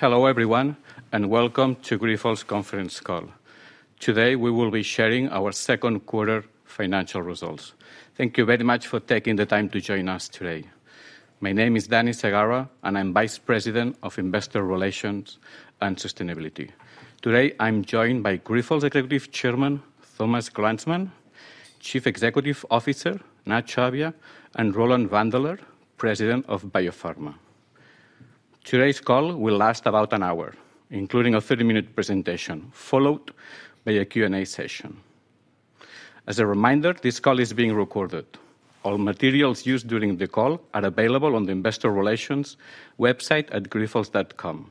Hello, everyone, and welcome to Grifols Conference Call. Today, we will be sharing our second quarter financial results. Thank you very much for taking the time to join us today. My name is Daniel Segarra, and I'm Vice President of Investor Relations and Sustainability. Today, I'm joined by Grifols Executive Chairman, Thomas Glanzmann; Chief Executive Officer, Nacho Abia; and Roland Wandeler, President of BioPharma. Today's call will last about an hour, including a 30-minute presentation, followed by a Q&A session. As a reminder, this call is being recorded. All materials used during the call are available on the investor relations website at grifols.com.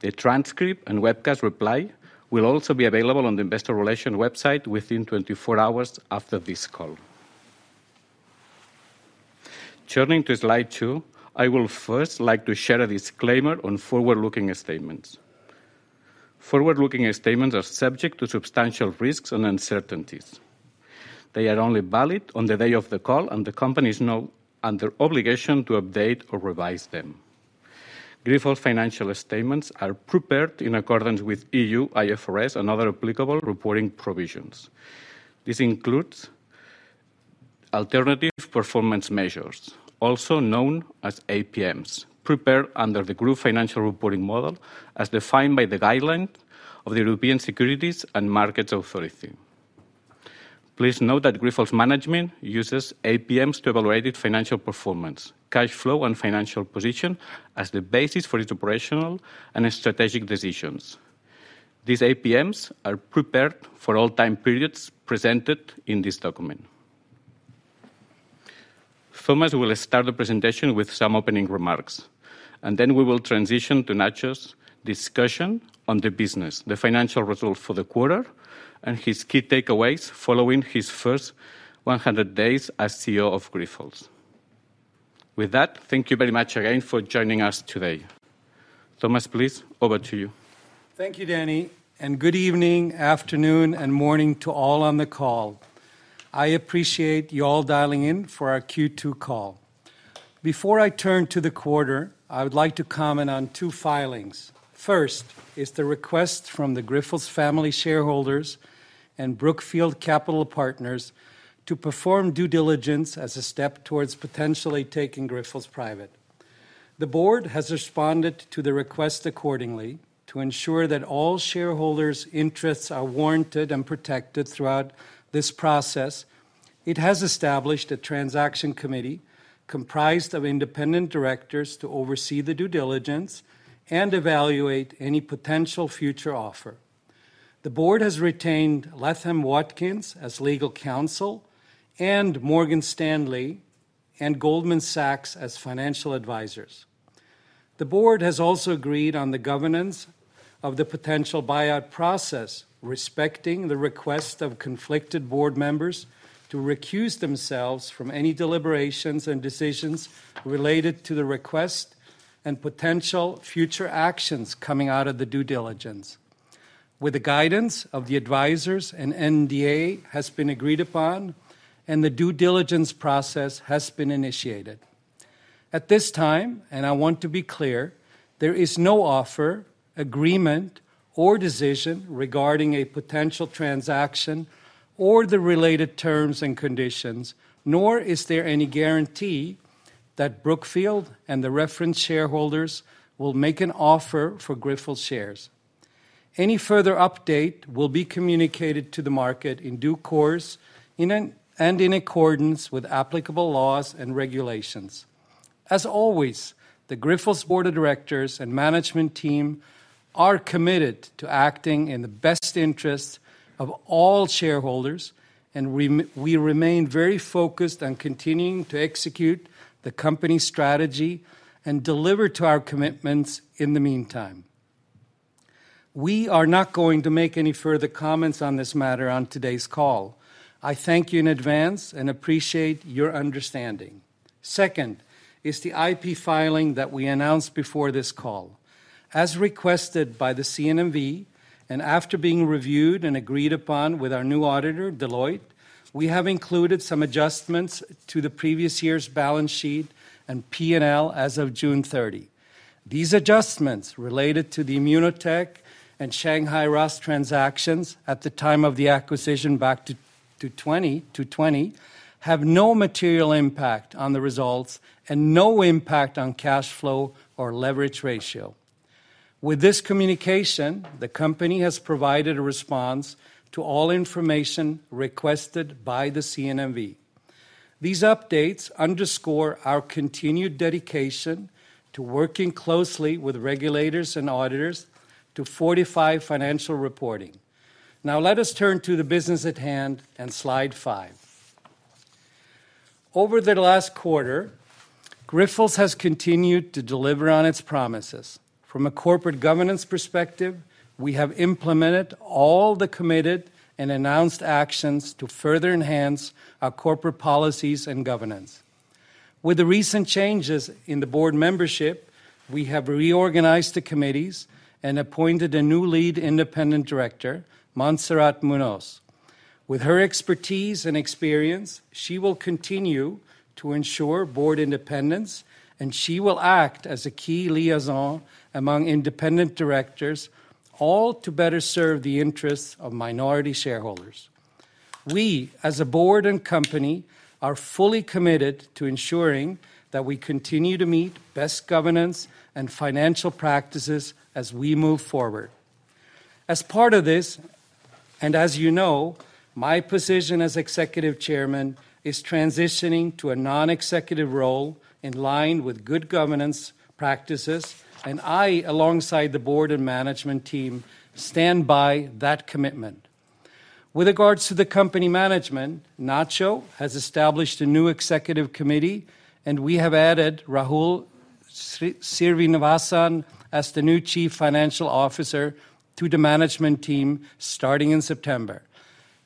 The transcript and webcast replay will also be available on the investor relations website within 24 hours after this call. Turning to slide two, I will first like to share a disclaimer on forward-looking statements. Forward-looking statements are subject to substantial risks and uncertainties. They are only valid on the day of the call, and the company is not under obligation to update or revise them. Grifols financial statements are prepared in accordance with E.U., IFRS, and other applicable reporting provisions. This includes alternative performance measures, also known as APMs, prepared under the group financial reporting model as defined by the guideline of the European Securities and Markets Authority. Please note that Grifols Management uses APMs to evaluate financial performance, cash flow, and financial position as the basis for its operational and strategic decisions. These APMs are prepared for all time periods presented in this document. Thomas will start the presentation with some opening remarks, and then we will transition to Nacho's discussion on the business, the financial results for the quarter, and his key takeaways following his first 100 days as CEO of Grifols. With that, thank you very much again for joining us today. Thomas, please, over to you. Thank you, Dani, and good evening, afternoon, and morning to all on the call. I appreciate you all dialing in for our Q2 call. Before I turn to the quarter, I would like to comment on two filings. First is the request from the Grifols family shareholders and Brookfield Capital Partners to perform due diligence as a step towards potentially taking Grifols private. The board has responded to the request accordingly to ensure that all shareholders' interests are warranted and protected throughout this process. It has established a transaction committee comprised of independent directors to oversee the due diligence and evaluate any potential future offer. The board has retained Latham & Watkins as legal counsel and Morgan Stanley and Goldman Sachs as financial advisors. The board has also agreed on the governance of the potential buyout process, respecting the request of conflicted board members to recuse themselves from any deliberations and decisions related to the request and potential future actions coming out of the due diligence. With the guidance of the advisors, an NDA has been agreed upon, and the due diligence process has been initiated. At this time, and I want to be clear, there is no offer, agreement, or decision regarding a potential transaction or the related terms and conditions, nor is there any guarantee that Brookfield and the reference shareholders will make an offer for Grifols shares. Any further update will be communicated to the market in due course and in accordance with applicable laws and regulations. As always, the Grifols board of directors and management team are committed to acting in the best interests of all shareholders, and we remain very focused on continuing to execute the company's strategy and deliver to our commitments in the meantime. We are not going to make any further comments on this matter on today's call. I thank you in advance and appreciate your understanding. Second is the IP filing that we announced before this call. As requested by the CNMV, and after being reviewed and agreed upon with our new auditor, Deloitte, we have included some adjustments to the previous year's balance sheet and P&L as of June 30. These adjustments, related to the ImmunoTek and Shanghai RAAS transactions at the time of the acquisition back to 2022, have no material impact on the results and no impact on cash flow or leverage ratio. With this communication, the company has provided a response to all information requested by the CNMV. These updates underscore our continued dedication to working closely with regulators and auditors to fortify financial reporting. Now, let us turn to the business at hand and slide five. Over the last quarter, Grifols has continued to deliver on its promises. From a corporate governance perspective, we have implemented all the committed and announced actions to further enhance our corporate policies and governance. With the recent changes in the board membership, we have reorganized the committees and appointed a new Lead Independent Director, Montserrat Muñoz. With her expertise and experience, she will continue to ensure board independence, and she will act as a key liaison among independent directors, all to better serve the interests of minority shareholders. We, as a board and company, are fully committed to ensuring that we continue to meet best governance and financial practices as we move forward. As part of this, and as you know, my position as Executive Chairman is transitioning to a non-executive role in line with good governance practices, and I, alongside the board and management team, stand by that commitment. With regards to the company management, Nacho has established a new executive committee, and we have added Rahul Srinivasan as the new Chief Financial Officer to the management team starting in September.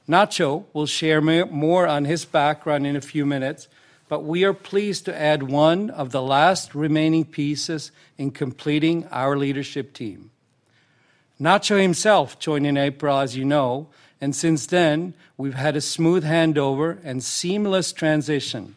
Nacho will share more on his background in a few minutes, but we are pleased to add one of the last remaining pieces in completing our leadership team. Nacho himself joined in April, as you know, and since then, we've had a smooth handover and seamless transition.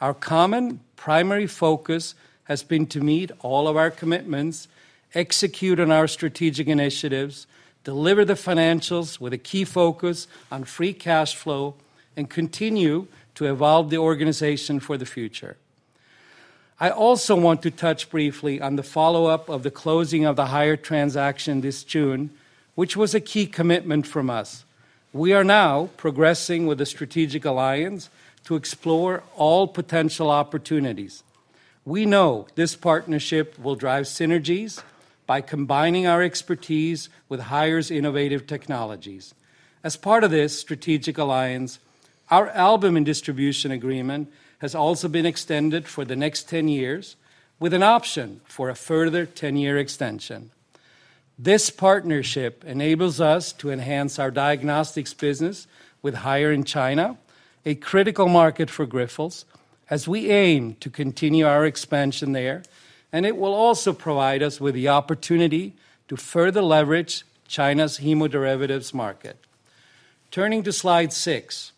Our common primary focus has been to meet all of our commitments, execute on our strategic initiatives, deliver the financials with a key focus on free cash flow, and continue to evolve the organization for the future. I also want to touch briefly on the follow-up of the closing of the Haier transaction this June, which was a key commitment from us. We are now progressing with a strategic alliance to explore all potential opportunities. We know this partnership will drive synergies by combining our expertise with Haier's innovative technologies. As part of this strategic alliance, our albumin and distribution agreement has also been extended for the next 10 years, with an option for a further 10-year extension. This partnership enables us to enhance our diagnostics business with Haier in China, a critical market for Grifols, as we aim to continue our expansion there, and it will also provide us with the opportunity to further leverage China's hemoderivatives market. Turning to slide six.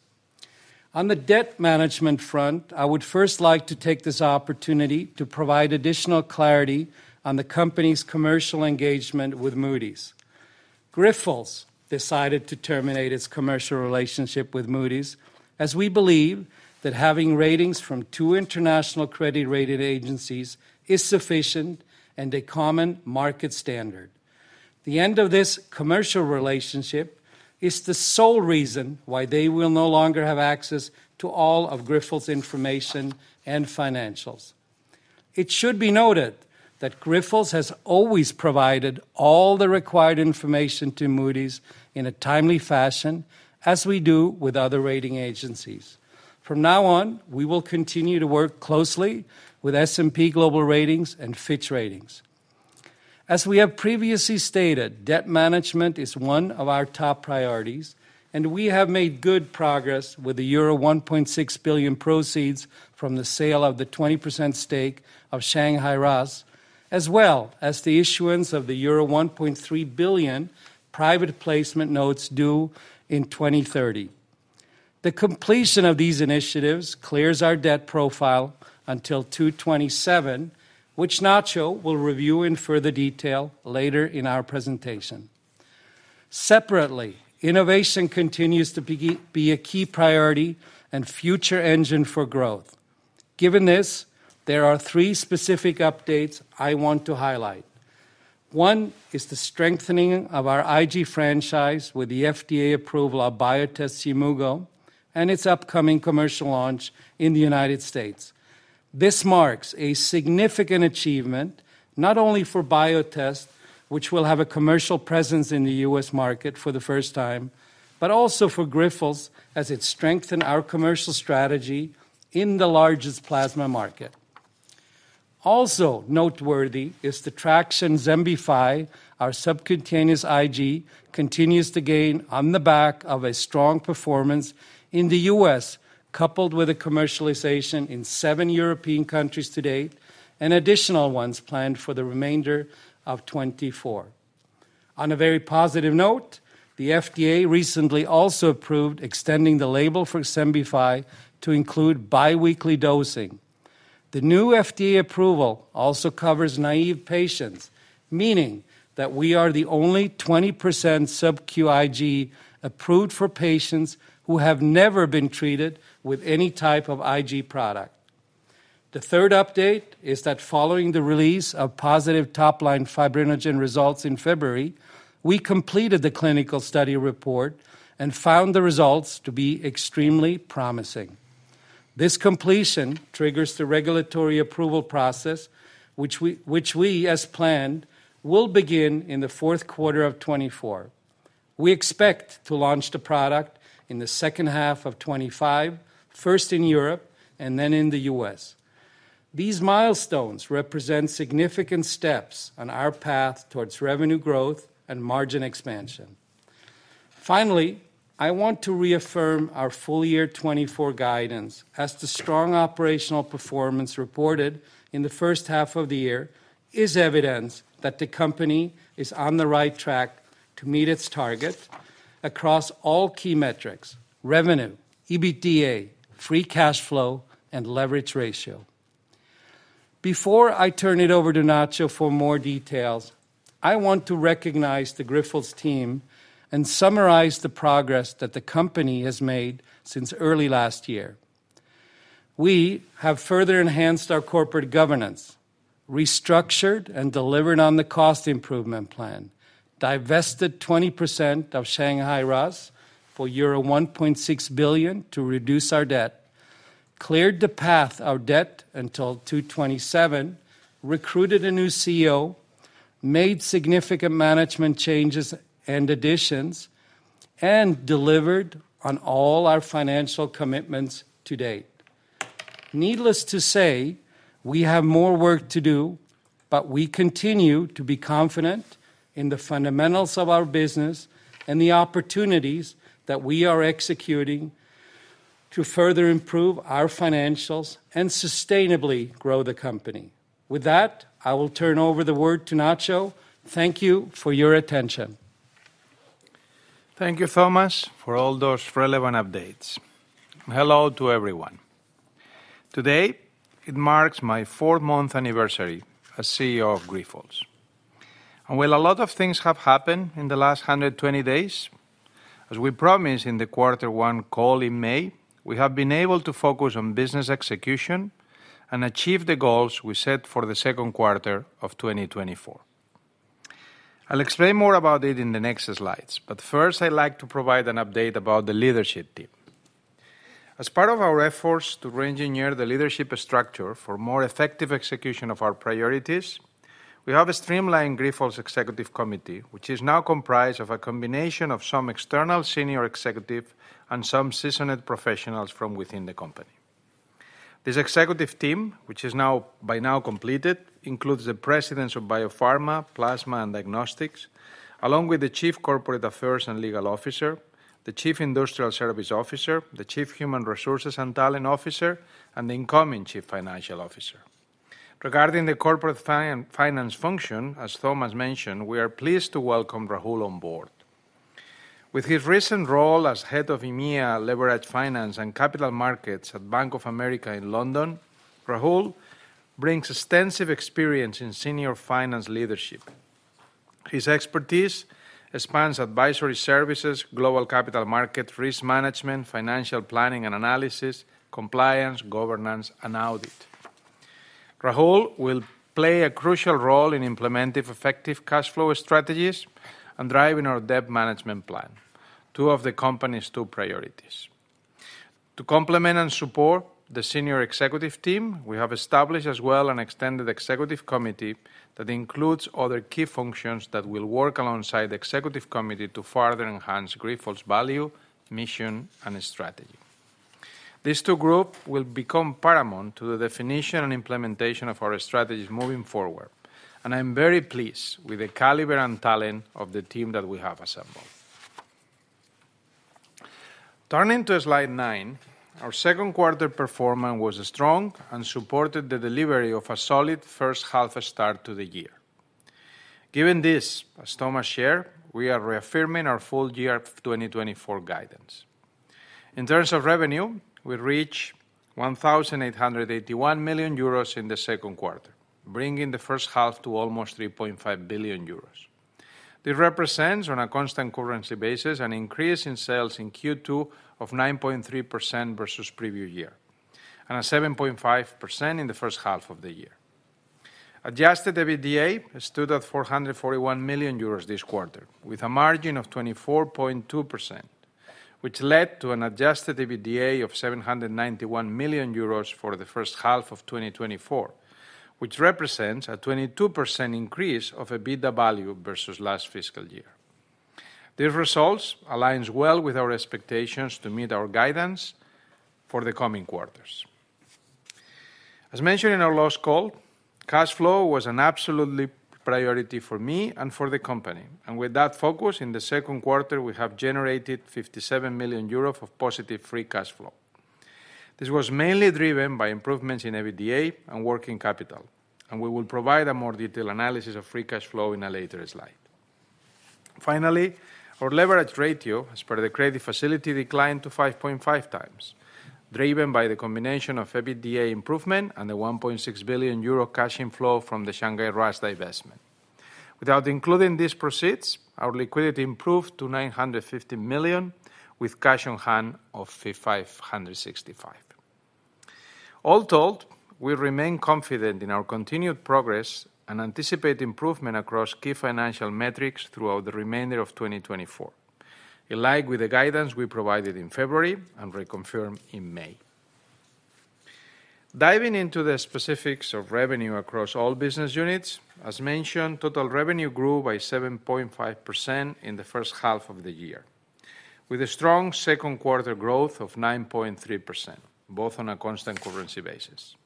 On the debt management front, I would first like to take this opportunity to provide additional clarity on the company's commercial engagement with Moody's. Grifols decided to terminate its commercial relationship with Moody's, as we believe that having ratings from two international credit rating agencies is sufficient and a common market standard. The end of this commercial relationship is the sole reason why they will no longer have access to all of Grifols' information and financials. It should be noted that Grifols has always provided all the required information to Moody's in a timely fashion, as we do with other rating agencies. From now on, we will continue to work closely with S&P Global Ratings and Fitch Ratings. As we have previously stated, debt management is one of our top priorities, and we have made good progress with the euro 1.6 billion proceeds from the sale of the 20% stake of Shanghai RAAS, as well as the issuance of the euro 1.3 billion private placement notes due in 2030. The completion of these initiatives clears our debt profile until 2027, which Nacho will review in further detail later in our presentation. Separately, innovation continues to be a key priority and future engine for growth. Given this, there are three specific updates I want to highlight. One is the strengthening of our IG franchise with the FDA approval of Biotest Yimmugo, and its upcoming commercial launch in the United States. This marks a significant achievement, not only for Biotest, which will have a commercial presence in the US market for the first time, but also for Grifols, as it strengthen our commercial strategy in the largest plasma market. Also noteworthy is the traction XEMBIFY, our subcutaneous IG, continues to gain on the back of a strong performance in the U.S., coupled with a commercialization in seven European countries to date, and additional ones planned for the remainder of 2024. On a very positive note, the FDA recently also approved extending the label for XEMBIFY to include bi-weekly dosing. The new FDA approval also covers naive patients, meaning that we are the only 20% sub-Q IG approved for patients who have never been treated with any type of IG product. The third update is that following the release of positive top-line Fibrinogen results in February, we completed the clinical study report and found the results to be extremely promising. This completion triggers the regulatory approval process, which we, as planned, will begin in the fourth quarter of 2024. We expect to launch the product in the second half of 2025, first in Europe and then in the U.S.. These milestones represent significant steps on our path towards revenue growth and margin expansion. Finally, I want to reaffirm our full year 2024 guidance, as the strong operational performance reported in the first half of the year is evidence that the company is on the right track to meet its target across all key metrics: revenue, EBITDA, free cash flow, and leverage ratio. Before I turn it over to Nacho for more details, I want to recognize the Grifols team and summarize the progress that the company has made since early last year. We have further enhanced our corporate governance, restructured and delivered on the cost improvement plan, divested 20% of Shanghai RAAS for euro 1.6 billion to reduce our debt, cleared the path of debt until 2027, recruited a new CEO, made significant management changes and additions, and delivered on all our financial commitments to date. Needless to say, we have more work to do, but we continue to be confident in the fundamentals of our business and the opportunities that we are executing to further improve our financials and sustainably grow the company. With that, I will turn over the word to Nacho. Thank you for your attention. Thank you, Thomas, for all those relevant updates. Hello to everyone. Today, it marks my fourth-month anniversary as CEO of Grifols. While a lot of things have happened in the last 120 days, as we promised in the quarter one call in May, we have been able to focus on business execution and achieve the goals we set for the second quarter of 2024. I'll explain more about it in the next slides, but first, I'd like to provide an update about the leadership team. As part of our efforts to reengineer the leadership structure for more effective execution of our priorities, we have a streamlined Grifols executive committee, which is now comprised of a combination of some external senior executive and some seasoned professionals from within the company. This executive team, which is now, by now completed, includes the presidents of BioPharma, Plasma, and Diagnostics, along with the Chief Corporate Affairs and Legal Officer, the Chief Industrial Service Officer, the Chief Human Resources and Talent Officer, and the incoming Chief Financial Officer. Regarding the corporate finance function, as Thomas mentioned, we are pleased to welcome Rahul on board. With his recent role as Head of EMEA Leveraged Finance and Capital Markets at Bank of America in London, Rahul brings extensive experience in senior finance leadership. His expertise expands advisory services, global capital market, risk management, financial planning and analysis, compliance, governance, and audit. Rahul will play a crucial role in implementing effective cash flow strategies and driving our debt management plan, two of the company's two priorities. To complement and support the senior executive team, we have established as well an extended executive committee that includes other key functions that will work alongside the executive committee to further enhance Grifols' value, mission, and strategy. These two groups will become paramount to the definition and implementation of our strategies moving forward, and I'm very pleased with the caliber and talent of the team that we have assembled. Turning to slide nine, our second quarter performance was strong and supported the delivery of a solid first half start to the year. Given this, as Thomas shared, we are reaffirming our full year 2024 guidance. In terms of revenue, we reached 1,881 million euros in the second quarter, bringing the first half to almost 3.5 billion euros. This represents, on a constant currency basis, an increase in sales in Q2 of 9.3% versus previous year, and a 7.5% in the first half of the year. Adjusted EBITDA stood at 441 million euros this quarter, with a margin of 24.2%, which led to an adjusted EBITDA of 791 million euros for the first half of 2024, which represents a 22% increase of EBITDA value versus last fiscal year. These results aligns well with our expectations to meet our guidance for the coming quarters. As mentioned in our last call, cash flow was an absolutely priority for me and for the company. With that focus, in the second quarter, we have generated 57 million euros of positive free cash flow. This was mainly driven by improvements in EBITDA and working capital, and we will provide a more detailed analysis of free cash flow in a later slide. Finally, our leverage ratio, as per the credit facility, declined to 5.5 times, driven by the combination of EBITDA improvement and the 1.6 billion euro cash inflow from the Shanghai RAAS divestment. Without including these proceeds, our liquidity improved to 950 million, with cash on hand of 565 million. All told, we remain confident in our continued progress and anticipate improvement across key financial metrics throughout the remainder of 2024, in line with the guidance we provided in February and reconfirm in May. Diving into the specifics of revenue across all business units, as mentioned, total revenue grew by 7.5% in the first half of the year, with a strong second quarter growth of 9.3%, both on a constant currency basis.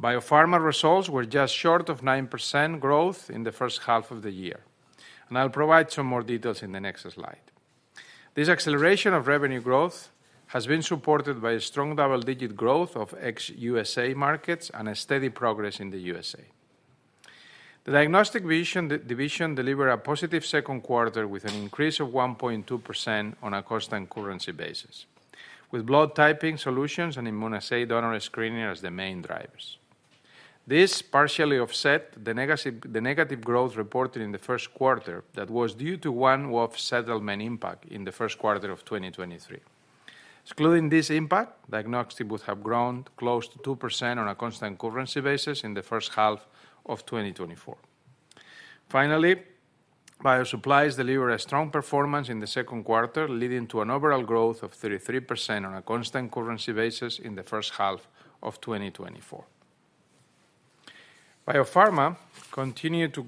BioPharma results were just short of 9% growth in the first half of the year, and I'll provide some more details in the next slide. This acceleration of revenue growth has been supported by a strong double-digit growth of ex-USA markets and a steady progress in the USA. The Diagnostics Division delivered a positive second quarter with an increase of 1.2% on a constant currency basis, with blood typing solutions and immunoassay donor screening as the main drivers. This partially offset the negative growth reported in the first quarter that was due to one-off settlement impact in the first quarter of 2023. Excluding this impact, diagnostic would have grown close to 2% on a constant currency basis in the first half of 2024. Finally, Bio Supplies delivered a strong performance in the second quarter, leading to an overall growth of 33% on a constant currency basis in the first half of 2024. BioPharma continued to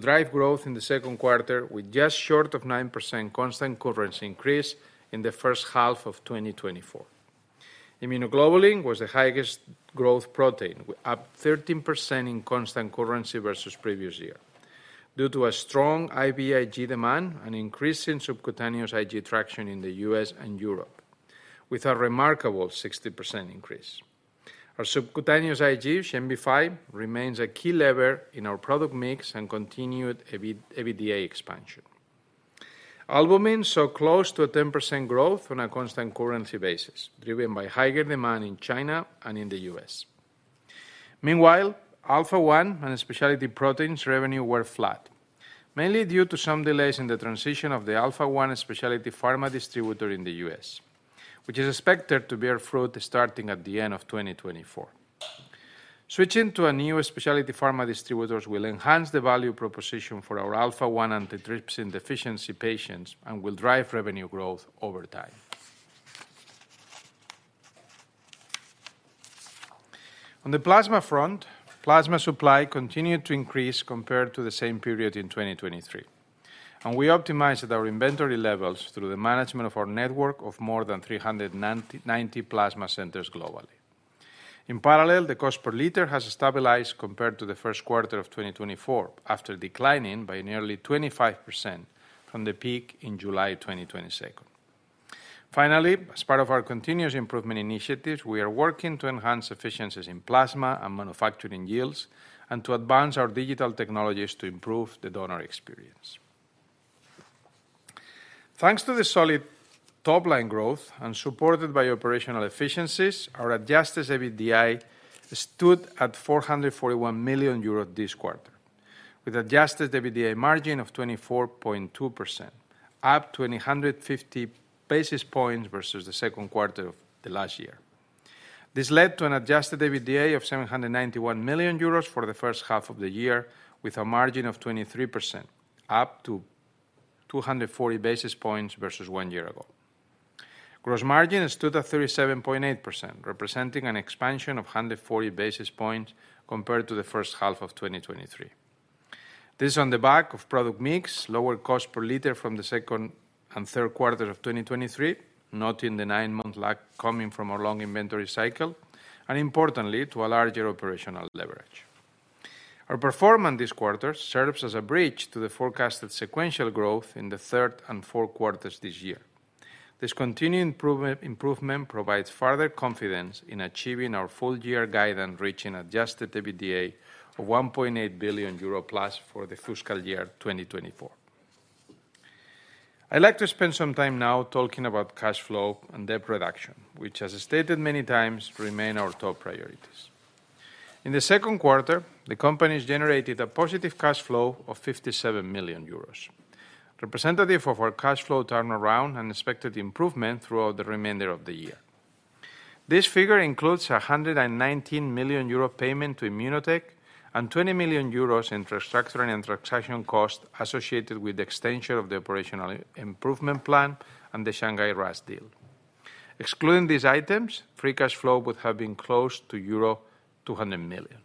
drive growth in the second quarter, with just short of 9% constant currency increase in the first half of 2024. Immunoglobulin was the highest growth protein, up 13% in constant currency versus previous year, due to a strong IVIG demand and increase in subcutaneous IG traction in the U.S. and Europe, with a remarkable 60% increase. Our subcutaneous IG, XEMBIFY, remains a key lever in our product mix and continued EBITDA expansion. Albumins saw close to a 10% growth on a constant currency basis, driven by higher demand in China and in the U.S. Meanwhile, Alpha-1 and Specialty Proteins revenue were flat, mainly due to some delays in the transition of the Alpha-1 specialty pharma distributor in the U.S., which is expected to bear fruit starting at the end of 2024. Switching to a new specialty pharma distributors will enhance the value proposition for our Alpha-1 and the antitrypsin deficiency patients and will drive revenue growth over time. On the plasma front, plasma supply continued to increase compared to the same period in 2023, and we optimized our inventory levels through the management of our network of more than 390 plasma centers globally. In parallel, the cost per liter has stabilized compared to the first quarter of 2024, after declining by nearly 25% from the peak in July 2022. Finally, as part of our continuous improvement initiatives, we are working to enhance efficiencies in plasma and manufacturing yields and to advance our digital technologies to improve the donor experience. Thanks to the solid top-line growth and supported by operational efficiencies, our adjusted EBITDA stood at 441 million euros this quarter, with adjusted EBITDA margin of 24.2%, up 150 basis points versus the second quarter of the last year. This led to an adjusted EBITDA of 791 million euros for the first half of the year, with a margin of 23%, up 240 basis points versus one year ago. Gross margin stood at 37.8%, representing an expansion of 140 basis points compared to the first half of 2023. This on the back of product mix, lower cost per liter from the second and third quarter of 2023, noting the 9-month lag coming from our long inventory cycle, and importantly, to a larger operational leverage. Our performance this quarter serves as a bridge to the forecasted sequential growth in the third and fourth quarters this year. This continued improvement provides further confidence in achieving our full-year guidance, reaching adjusted EBITDA of 1.8 billion euro+ for the fiscal year 2024. I'd like to spend some time now talking about cash flow and debt reduction, which, as stated many times, remain our top priorities. In the second quarter, the companies generated a positive cash flow of 57 million euros, representative of our cash flow turnaround and expected improvement throughout the remainder of the year. This figure includes a 119 million euro payment to ImmunoTek and 20 million euros in restructuring and transaction costs associated with the extension of the operational improvement plan and the Shanghai RAAS deal. Excluding these items, free cash flow would have been close to euro 200 million.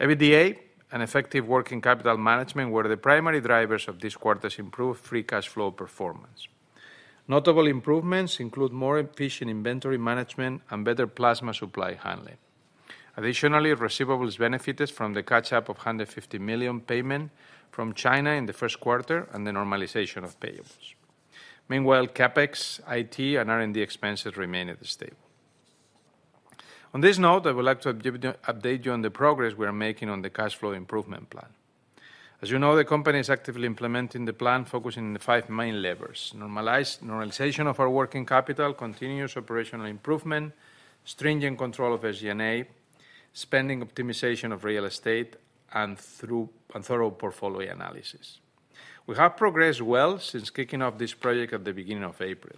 EBITDA and effective working capital management were the primary drivers of this quarter's improved free cash flow performance. Notable improvements include more efficient inventory management and better plasma supply handling. Additionally, receivables benefited from the catch-up of 150 million payment from China in the first quarter and the normalization of payables. Meanwhile, CapEx, IT, and R&D expenses remain stable. On this note, I would like to update you on the progress we are making on the cash flow improvement plan. As you know, the company is actively implementing the plan, focusing on the five main levers: normalization of our working capital, continuous operational improvement, stringent control of SG&A, spending optimization of real estate, and thorough portfolio analysis. We have progressed well since kicking off this project at the beginning of April.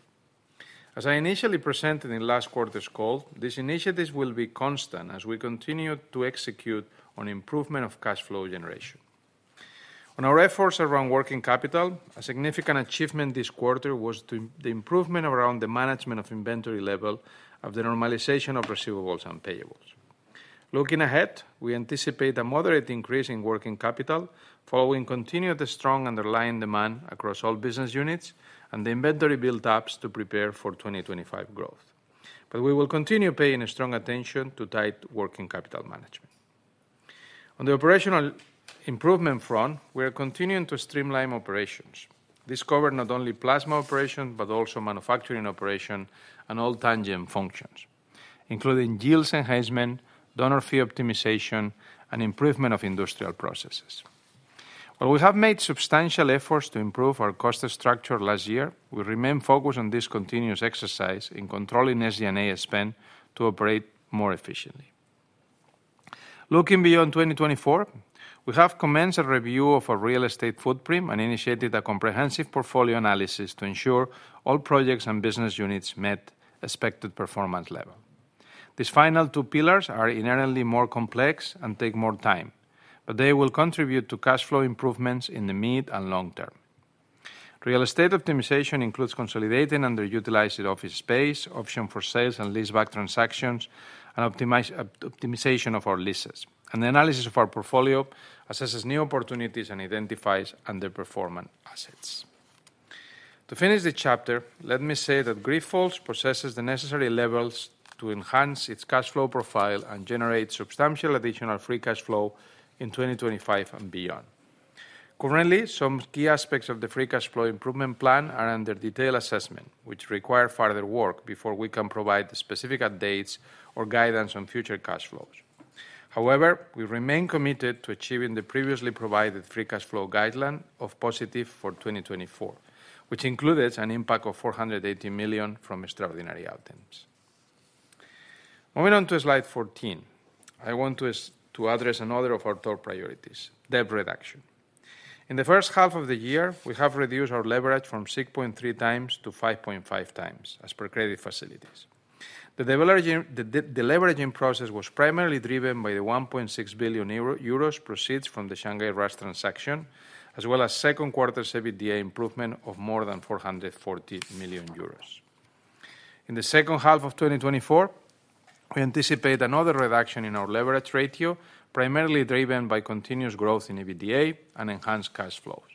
As I initially presented in last quarter's call, these initiatives will be constant as we continue to execute on improvement of cash flow generation. On our efforts around working capital, a significant achievement this quarter was the improvement around the management of inventory level, of the normalization of receivables and payables. Looking ahead, we anticipate a moderate increase in working capital, following continued strong underlying demand across all business units and the inventory build-ups to prepare for 2025 growth. But we will continue paying a strong attention to tight working capital management. On the operational improvement front, we are continuing to streamline operations. This cover not only plasma operation, but also manufacturing operation and all tangent functions, including yields enhancement, donor fee optimization, and improvement of industrial processes. While we have made substantial efforts to improve our cost structure last year, we remain focused on this continuous exercise in controlling SG&A spend to operate more efficiently. Looking beyond 2024, we have commenced a review of our real estate footprint and initiated a comprehensive portfolio analysis to ensure all projects and business units meet expected performance level. These final two pillars are inherently more complex and take more time, but they will contribute to cash flow improvements in the mid and long term. Real estate optimization includes consolidating underutilized office space, option for sales and leaseback transactions, and optimization of our leases. An analysis of our portfolio assesses new opportunities and identifies underperforming assets. To finish the chapter, let me say that Grifols possesses the necessary levels to enhance its cash flow profile and generate substantial additional free cash flow in 2025 and beyond. Currently, some key aspects of the free cash flow improvement plan are under detailed assessment, which require further work before we can provide specific updates or guidance on future cash flows. However, we remain committed to achieving the previously provided free cash flow guideline of positive for 2024, which includes an impact of 480 million from extraordinary items. Moving on to slide 14, I want to address another of our top priorities: debt reduction. In the first half of the year, we have reduced our leverage from 6.3 times to 5.5 times, as per credit facilities. The deleveraging process was primarily driven by the 1.6 billion euro proceeds from the Shanghai RAAS transaction, as well as second quarter EBITDA improvement of more than 440 million euros. In the second half of 2024, we anticipate another reduction in our leverage ratio, primarily driven by continuous growth in EBITDA and enhanced cash flows.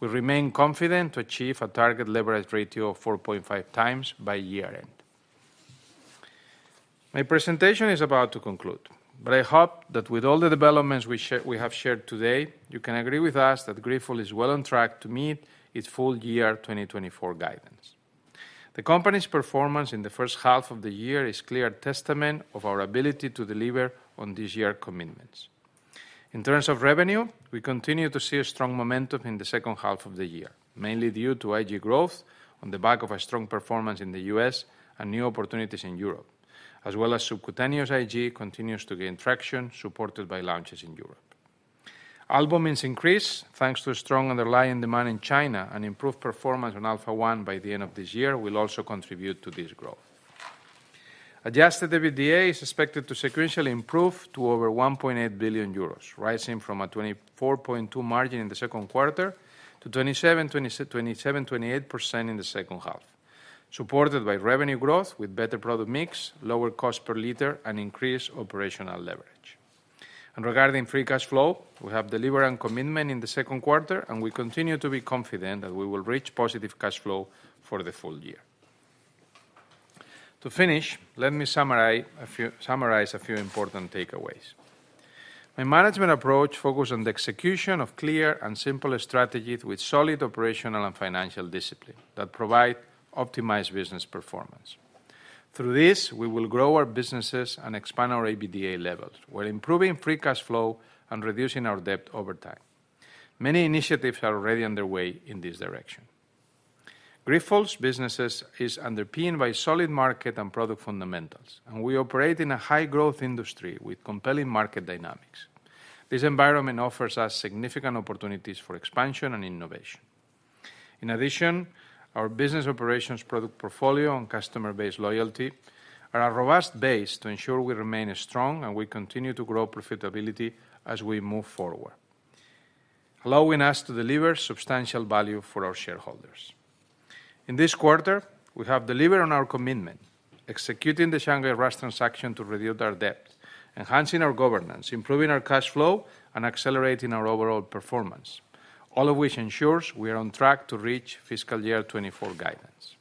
We remain confident to achieve a target leverage ratio of 4.5 times by year-end. My presentation is about to conclude, but I hope that with all the developments we have shared today, you can agree with us that Grifols is well on track to meet its full year 2024 guidance. The company's performance in the first half of the year is clear testament of our ability to deliver on this year commitments. In terms of revenue, we continue to see a strong momentum in the second half of the year, mainly due to IG growth on the back of a strong performance in the U.S. and new opportunities in Europe, as well as subcutaneous IG continues to gain traction, supported by launches in Europe. Albumin increased, thanks to strong underlying demand in China, and improved performance on Alpha-1 by the end of this year will also contribute to this growth. Adjusted EBITDA is expected to sequentially improve to over 1.8 billion euros, rising from a 24.2% margin in the second quarter to 27%-28% in the second half, supported by revenue growth with better product mix, lower cost per liter, and increased operational leverage. Regarding free cash flow, we have delivered on commitment in the second quarter, and we continue to be confident that we will reach positive cash flow for the full year. To finish, let me summarize a few, summarize a few important takeaways. My management approach focus on the execution of clear and simple strategies with solid operational and financial discipline that provide optimized business performance. Through this, we will grow our businesses and expand our EBITDA levels, while improving free cash flow and reducing our debt over time. Many initiatives are already underway in this direction. Grifols businesses is underpinned by solid market and product fundamentals, and we operate in a high-growth industry with compelling market dynamics. This environment offers us significant opportunities for expansion and innovation. In addition, our business operations product portfolio and customer-based loyalty are a robust base to ensure we remain strong and we continue to grow profitability as we move forward, allowing us to deliver substantial value for our shareholders. In this quarter, we have delivered on our commitment, executing the Shanghai RAAS transaction to reduce our debt, enhancing our governance, improving our cash flow, and accelerating our overall performance, all of which ensures we are on track to reach fiscal year 2024 guidance.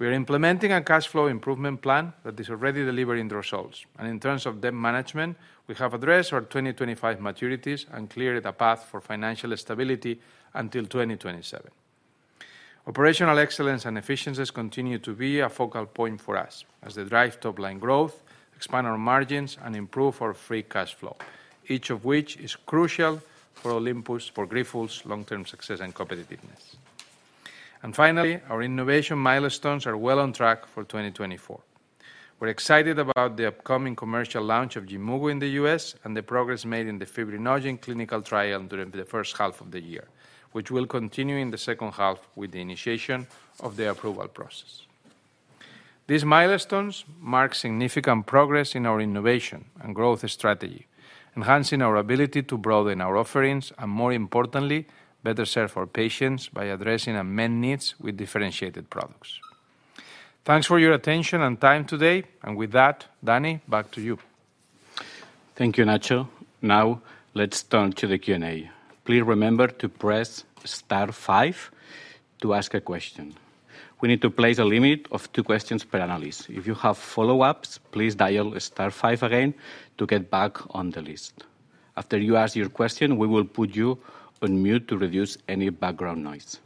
We are implementing a cash flow improvement plan that is already delivering the results, and in terms of debt management, we have addressed our 2025 maturities and cleared a path for financial stability until 2027. Operational excellence and efficiencies continue to be a focal point for us as they drive top-line growth, expand our margins, and improve our free cash flow, each of which is crucial for Grifols' long-term success and competitiveness. Finally, our innovation milestones are well on track for 2024. We're excited about the upcoming commercial launch of Yimmugo in the US and the progress made in the Fibrinogen clinical trial during the first half of the year, which will continue in the second half with the initiation of the approval process. These milestones mark significant progress in our innovation and growth strategy, enhancing our ability to broaden our offerings, and more importantly, better serve our patients by addressing unmet needs with differentiated products. Thanks for your attention and time today, and with that, Dani, back to you. Thank you, Nacho. Now, let's turn to the Q&A. Please remember to press star five to ask a question. We need to place a limit of two questions per analyst. If you have follow-ups, please dial star five again to get back on the list. After you ask your question, we will put you on mute to reduce any background noise.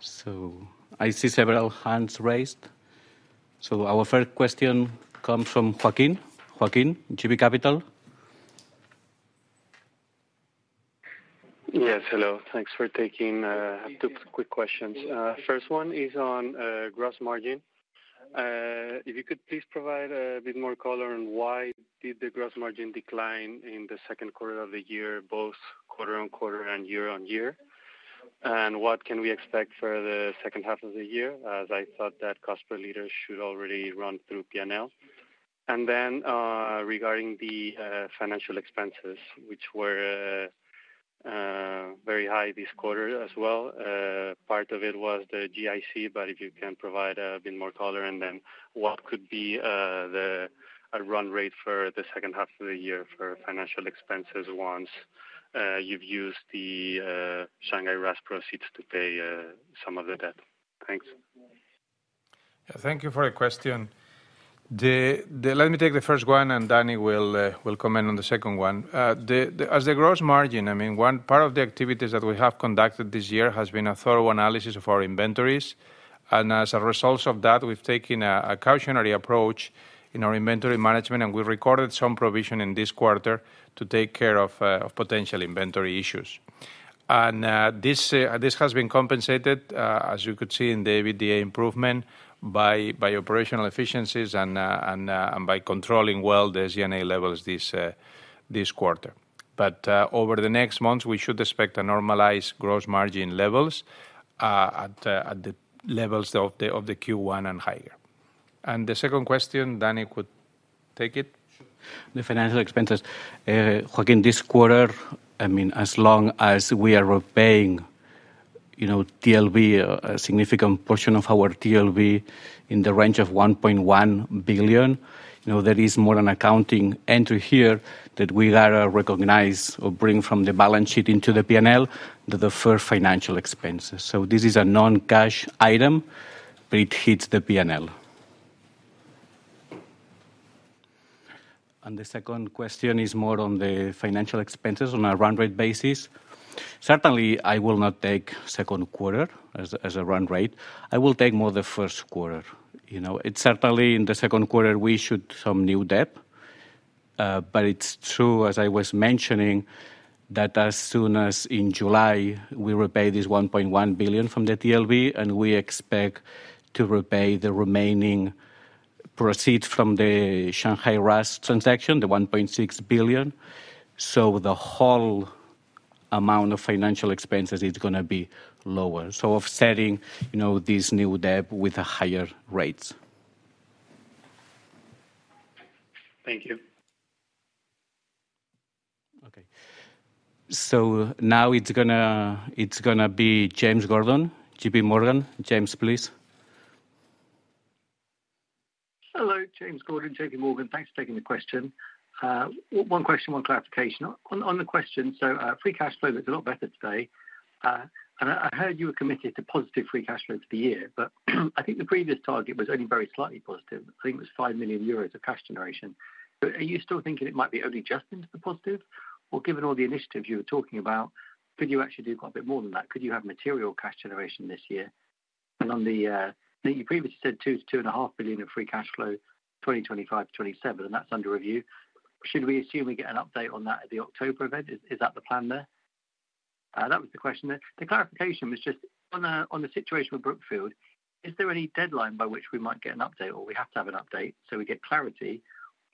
So I see several hands raised. So our first question comes from Joaquín. Joaquín, JB Capital. Yes, hello. Thanks for taking two quick questions. First one is on gross margin. If you could please provide a bit more color on why did the gross margin decline in the second quarter of the year, both quarter on quarter and year on year? And what can we expect for the second half of the year, as I thought that cost per liter should already run through P&L? And then, regarding the financial expenses, which were very high this quarter as well, part of it was the GIC, but if you can provide a bit more color, and then what could be the run rate for the second half of the year for financial expenses once you've used the Shanghai RAAS proceeds to pay some of the debt? Thanks. Thank you for your question. Let me take the first one, and Dani will comment on the second one. As the gross margin, I mean, one part of the activities that we have conducted this year has been a thorough analysis of our inventories, and as a result of that, we've taken a cautionary approach in our inventory management, and we've recorded some provision in this quarter to take care of potential inventory issues. This has been compensated, as you could see in the EBITDA improvement by operational efficiencies and by controlling well the G&A levels this quarter. Over the next months, we should expect a normalized gross margin levels at the levels of the Q1 and higher. The second question, Dani could take it? Sure. The financial expenses, Joaquín, this quarter, I mean, as long as we are repaying, you know, TLB, a significant portion of our TLB in the range of 1.1 billion, you know, there is more an accounting entry here that we gotta recognize or bring from the balance sheet into the P&L, the deferred financial expenses. So this is a non-cash item, but it hits the P&L. The second question is more on the financial expenses on a run rate basis. Certainly, I will not take second quarter as a run rate. I will take more the first quarter. You know, it's certainly in the second quarter, we issued some new debt, but it's true, as I was mentioning, that as soon as in July, we repay this 1.1 billion from the TLB, and we expect to repay the remaining proceeds from the Shanghai RAAS transaction, the 1.6 billion. So the whole amount of financial expenses is gonna be lower. So offsetting, you know, this new debt with higher rates. Thank you. Okay. So now it's gonna, it's gonna be James Gordon, JPMorgan. James, please. Hello, James Gordon, J.P. Morgan. Thanks for taking the question. One question, one clarification. On the question, so, free cash flow looks a lot better today, and I heard you were committed to positive free cash flow for the year, but I think the previous target was only very slightly positive. I think it was 5 million euros of cash generation. So are you still thinking it might be only just into the positive? Or given all the initiatives you were talking about, could you actually do quite a bit more than that? Could you have material cash generation this year? And on the, I think you previously said 2.5 billion of free cash flow, 2025-2027, and that's under review. Should we assume we get an update on that at the October event? Is that the plan there? That was the question there. The clarification was just on the situation with Brookfield, is there any deadline by which we might get an update, or we have to have an update so we get clarity,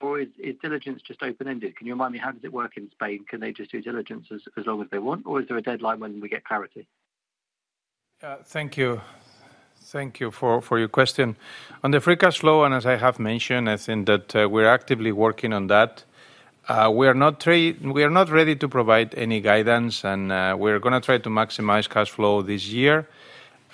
or is diligence just open-ended? Can you remind me, how does it work in Spain? Can they just do diligence as long as they want, or is there a deadline when we get clarity? Thank you. Thank you for, for your question. On the free cash flow, and as I have mentioned, I think that, we're actively working on that. We are not ready to provide any guidance, and, we're gonna try to maximize cash flow this year,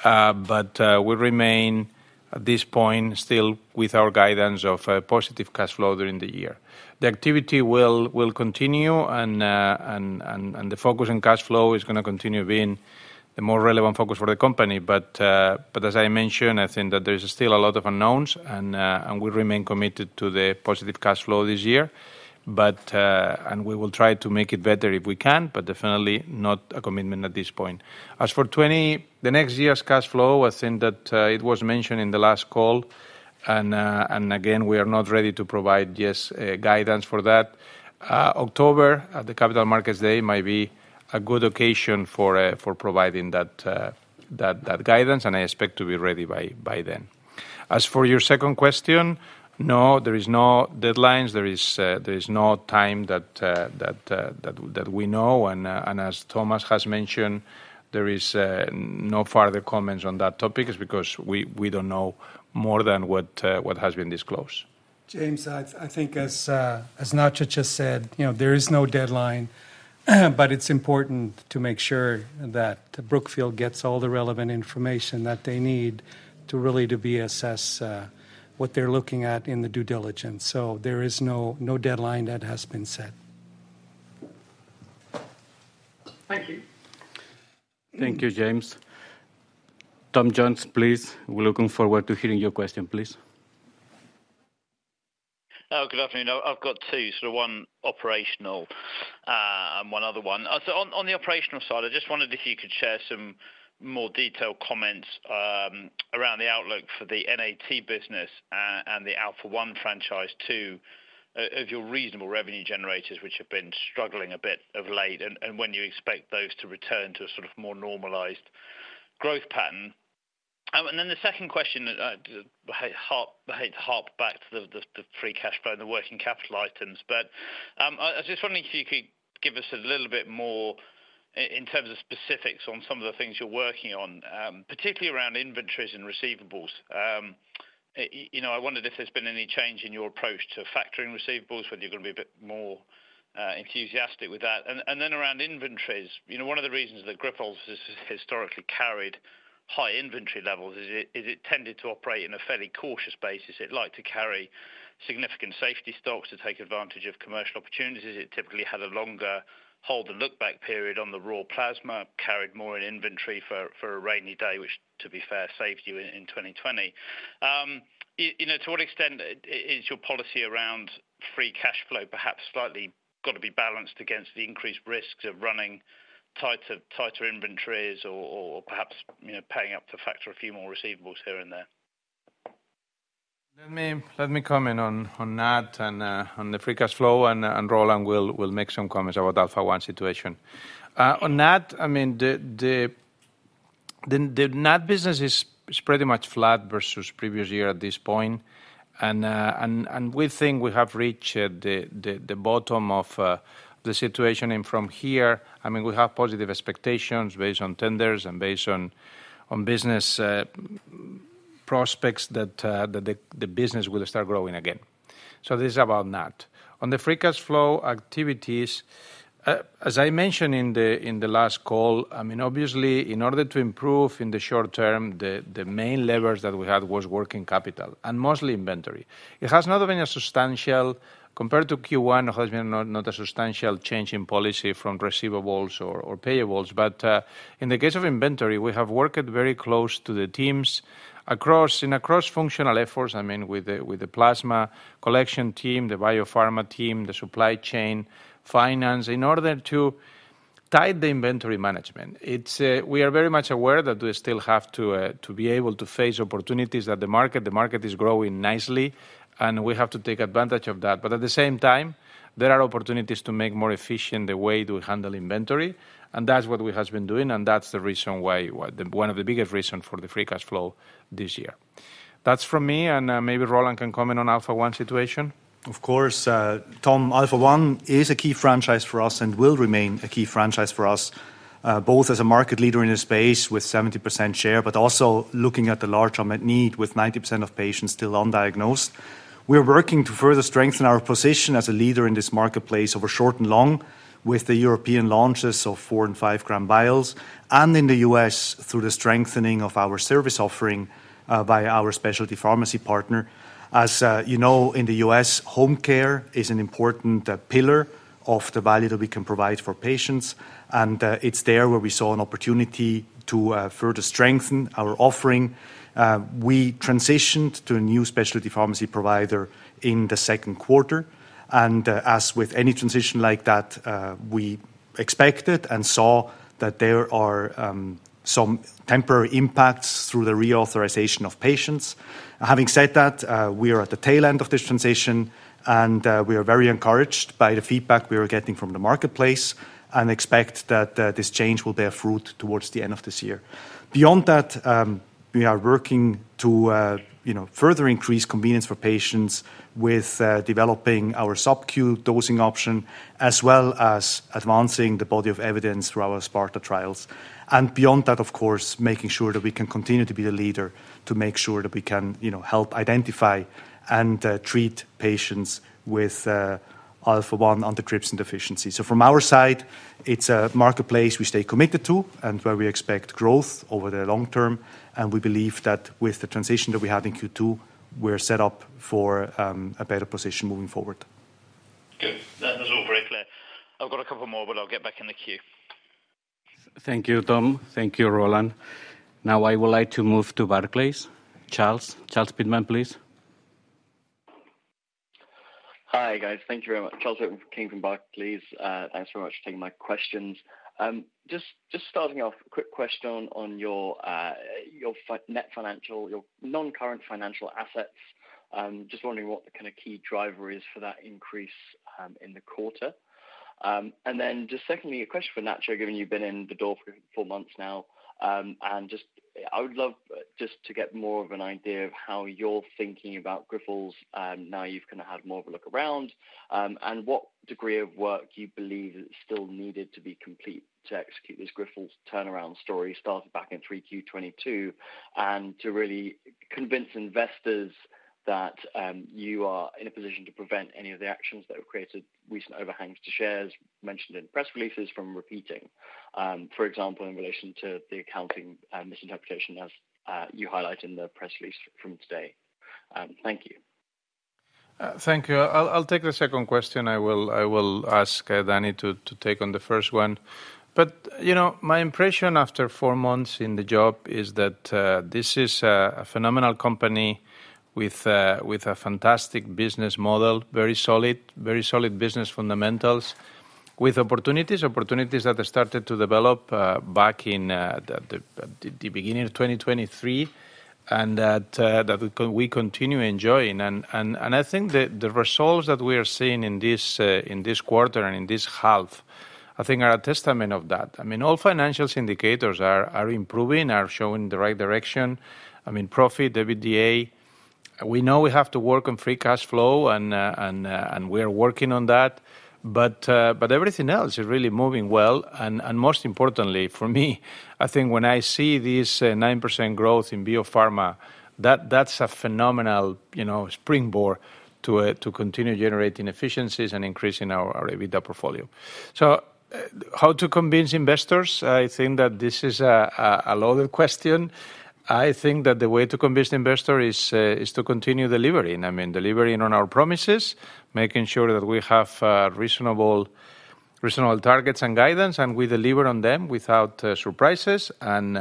but, we remain at this point, still with our guidance of, positive cash flow during the year. The activity will continue, and, and, and, and the focus on cash flow is gonna continue being the more relevant focus for the company. But, but as I mentioned, I think that there is still a lot of unknowns, and, and we remain committed to the positive cash flow this year. But, and we will try to make it better if we can, but definitely not a commitment at this point. As for 2024, the next year's cash flow, I think that it was mentioned in the last call, and again, we are not ready to provide just guidance for that. October, at the Capital Markets Day, might be a good occasion for providing that guidance, and I expect to be ready by then. As for your second question, no, there is no deadlines. There is no time that we know, and as Thomas has mentioned, there is no further comments on that topic. It's because we don't know more than what has been disclosed. James, I think as Nacho just said, you know, there is no deadline, but it's important to make sure that Brookfield gets all the relevant information that they need to really assess what they're looking at in the due diligence. So there is no deadline that has been set. Thank you. Thank you, James. Tom Jones, please, we're looking forward to hearing your question, please.... Oh, good afternoon. I've got two, sort of one operational, and one other one. So on, on the operational side, I just wondered if you could share some more detailed comments around the outlook for the NAT business, and the Alpha-1 Franchise, too, of your reasonable revenue generators, which have been struggling a bit of late, and when you expect those to return to a sort of more normalized growth pattern. And then the second question that I'd harp back to the free cash flow and the working capital items, but I was just wondering if you could give us a little bit more in terms of specifics on some of the things you're working on, particularly around inventories and receivables. You know, I wondered if there's been any change in your approach to factoring receivables, whether you're gonna be a bit more enthusiastic with that. And then around inventories, you know, one of the reasons that Grifols has historically carried high inventory levels is it tended to operate in a fairly cautious basis. It liked to carry significant safety stocks to take advantage of commercial opportunities. It typically had a longer hold-and-look-back period on the raw plasma, carried more in inventory for a rainy day, which, to be fair, saved you in 2020. You know, to what extent is your policy around free cash flow, perhaps slightly gotta be balanced against the increased risks of running tighter inventories or perhaps, you know, paying up to factor a few more receivables here and there? Let me comment on that and on the free cash flow, and Roland will make some comments about Alpha-1 situation. On that, I mean, the NAT business is pretty much flat versus previous year at this point, and we think we have reached the bottom of the situation. And from here, I mean, we have positive expectations based on tenders and based on business prospects that the business will start growing again. So this is about NAT. On the free cash flow activities, as I mentioned in the last call, I mean, obviously, in order to improve in the short term, the main levers that we had was working capital and mostly inventory. It has not been a substantial... Compared to Q1, has been not a substantial change in policy from receivables or payables, but in the case of inventory, we have worked very close to the teams in a cross-functional efforts, I mean, with the plasma collection team, the BioPharma team, the supply chain, finance, in order to tie the inventory management. It's we are very much aware that we still have to be able to face opportunities at the market. The market is growing nicely, and we have to take advantage of that. But at the same time, there are opportunities to make more efficient the way to handle inventory, and that's what we have been doing, and that's the reason why, one of the biggest reasons for the free cash flow this year. That's from me, and maybe Roland can comment on Alpha-1 situation. Of course, Tom, Alpha-1 is a key franchise for us and will remain a key franchise for us, both as a market leader in this space with 70% share, but also looking at the large unmet need, with 90% of patients still undiagnosed. We are working to further strengthen our position as a leader in this marketplace over short and long, with the European launches of four and five gram vials, and in the U.S., through the strengthening of our service offering, by our specialty pharmacy partner. As you know, in the U.S., home care is an important pillar of the value that we can provide for patients, and it's there where we saw an opportunity to further strengthen our offering. We transitioned to a new specialty pharmacy provider in the second quarter, and, as with any transition like that, we expected and saw that there are some temporary impacts through the reauthorization of patients. Having said that, we are at the tail end of this transition, and, we are very encouraged by the feedback we are getting from the marketplace and expect that, this change will bear fruit towards the end of this year. Beyond that, we are working to, you know, further increase convenience for patients with, developing our SubQ dosing option, as well as advancing the body of evidence through our SPARTA trials. And beyond that, of course, making sure that we can continue to be a leader, to make sure that we can, you know, help identify and, treat patients with, Alpha-1 Antitrypsin Deficiency. So from our side, it's a marketplace we stay committed to and where we expect growth over the long term, and we believe that with the transition that we have in Q2, we're set up for a better position moving forward. Good. That was all very clear. I've got a couple more, but I'll get back in the queue. Thank you, Tom. Thank you, Roland. Now, I would like to move to Barclays. Charles, Charles Pitman, please. Hi, guys. Thank you very much. Charles Pitman from Barclays. Thanks very much for taking my questions. Just starting off, a quick question on your financial, your non-current financial assets. Just wondering what the kind of key driver is for that increase in the quarter. And then just secondly, a question for Nacho, given you've been in the role for four months now, and just, I would love just to get more of an idea of how you're thinking about Grifols, now you've kind of had more of a look around, and what degree of work you believe is still needed to be complete to execute this Grifols turnaround story started back in 3Q 2022. And to really convince investors that you are in a position to prevent any of the actions that have created recent overhangs to shares mentioned in press releases from repeating, for example, in relation to the accounting and misinterpretation as you highlight in the press release from today. Thank you. Thank you. I'll take the second question. I will ask Dani to take on the first one. But, you know, my impression after four months in the job is that this is a phenomenal company with a fantastic business model, very solid, very solid business fundamentals. With opportunities, opportunities that started to develop back in the beginning of 2023, and that we continue enjoying. And, and, and I think the results that we are seeing in this quarter and in this half, I think are a testament of that. I mean, all financial indicators are improving, are showing the right direction. I mean, profit, EBITDA. We know we have to work on free cash flow, and we are working on that. But everything else is really moving well, and most importantly, for me, I think when I see this 9% growth in BioPharma, that's a phenomenal, you know, springboard to continue generating efficiencies and increasing our EBITDA portfolio. So, how to convince investors? I think that this is a loaded question. I think that the way to convince the investor is to continue delivering. I mean, delivering on our promises, making sure that we have reasonable targets and guidance, and we deliver on them without surprises, and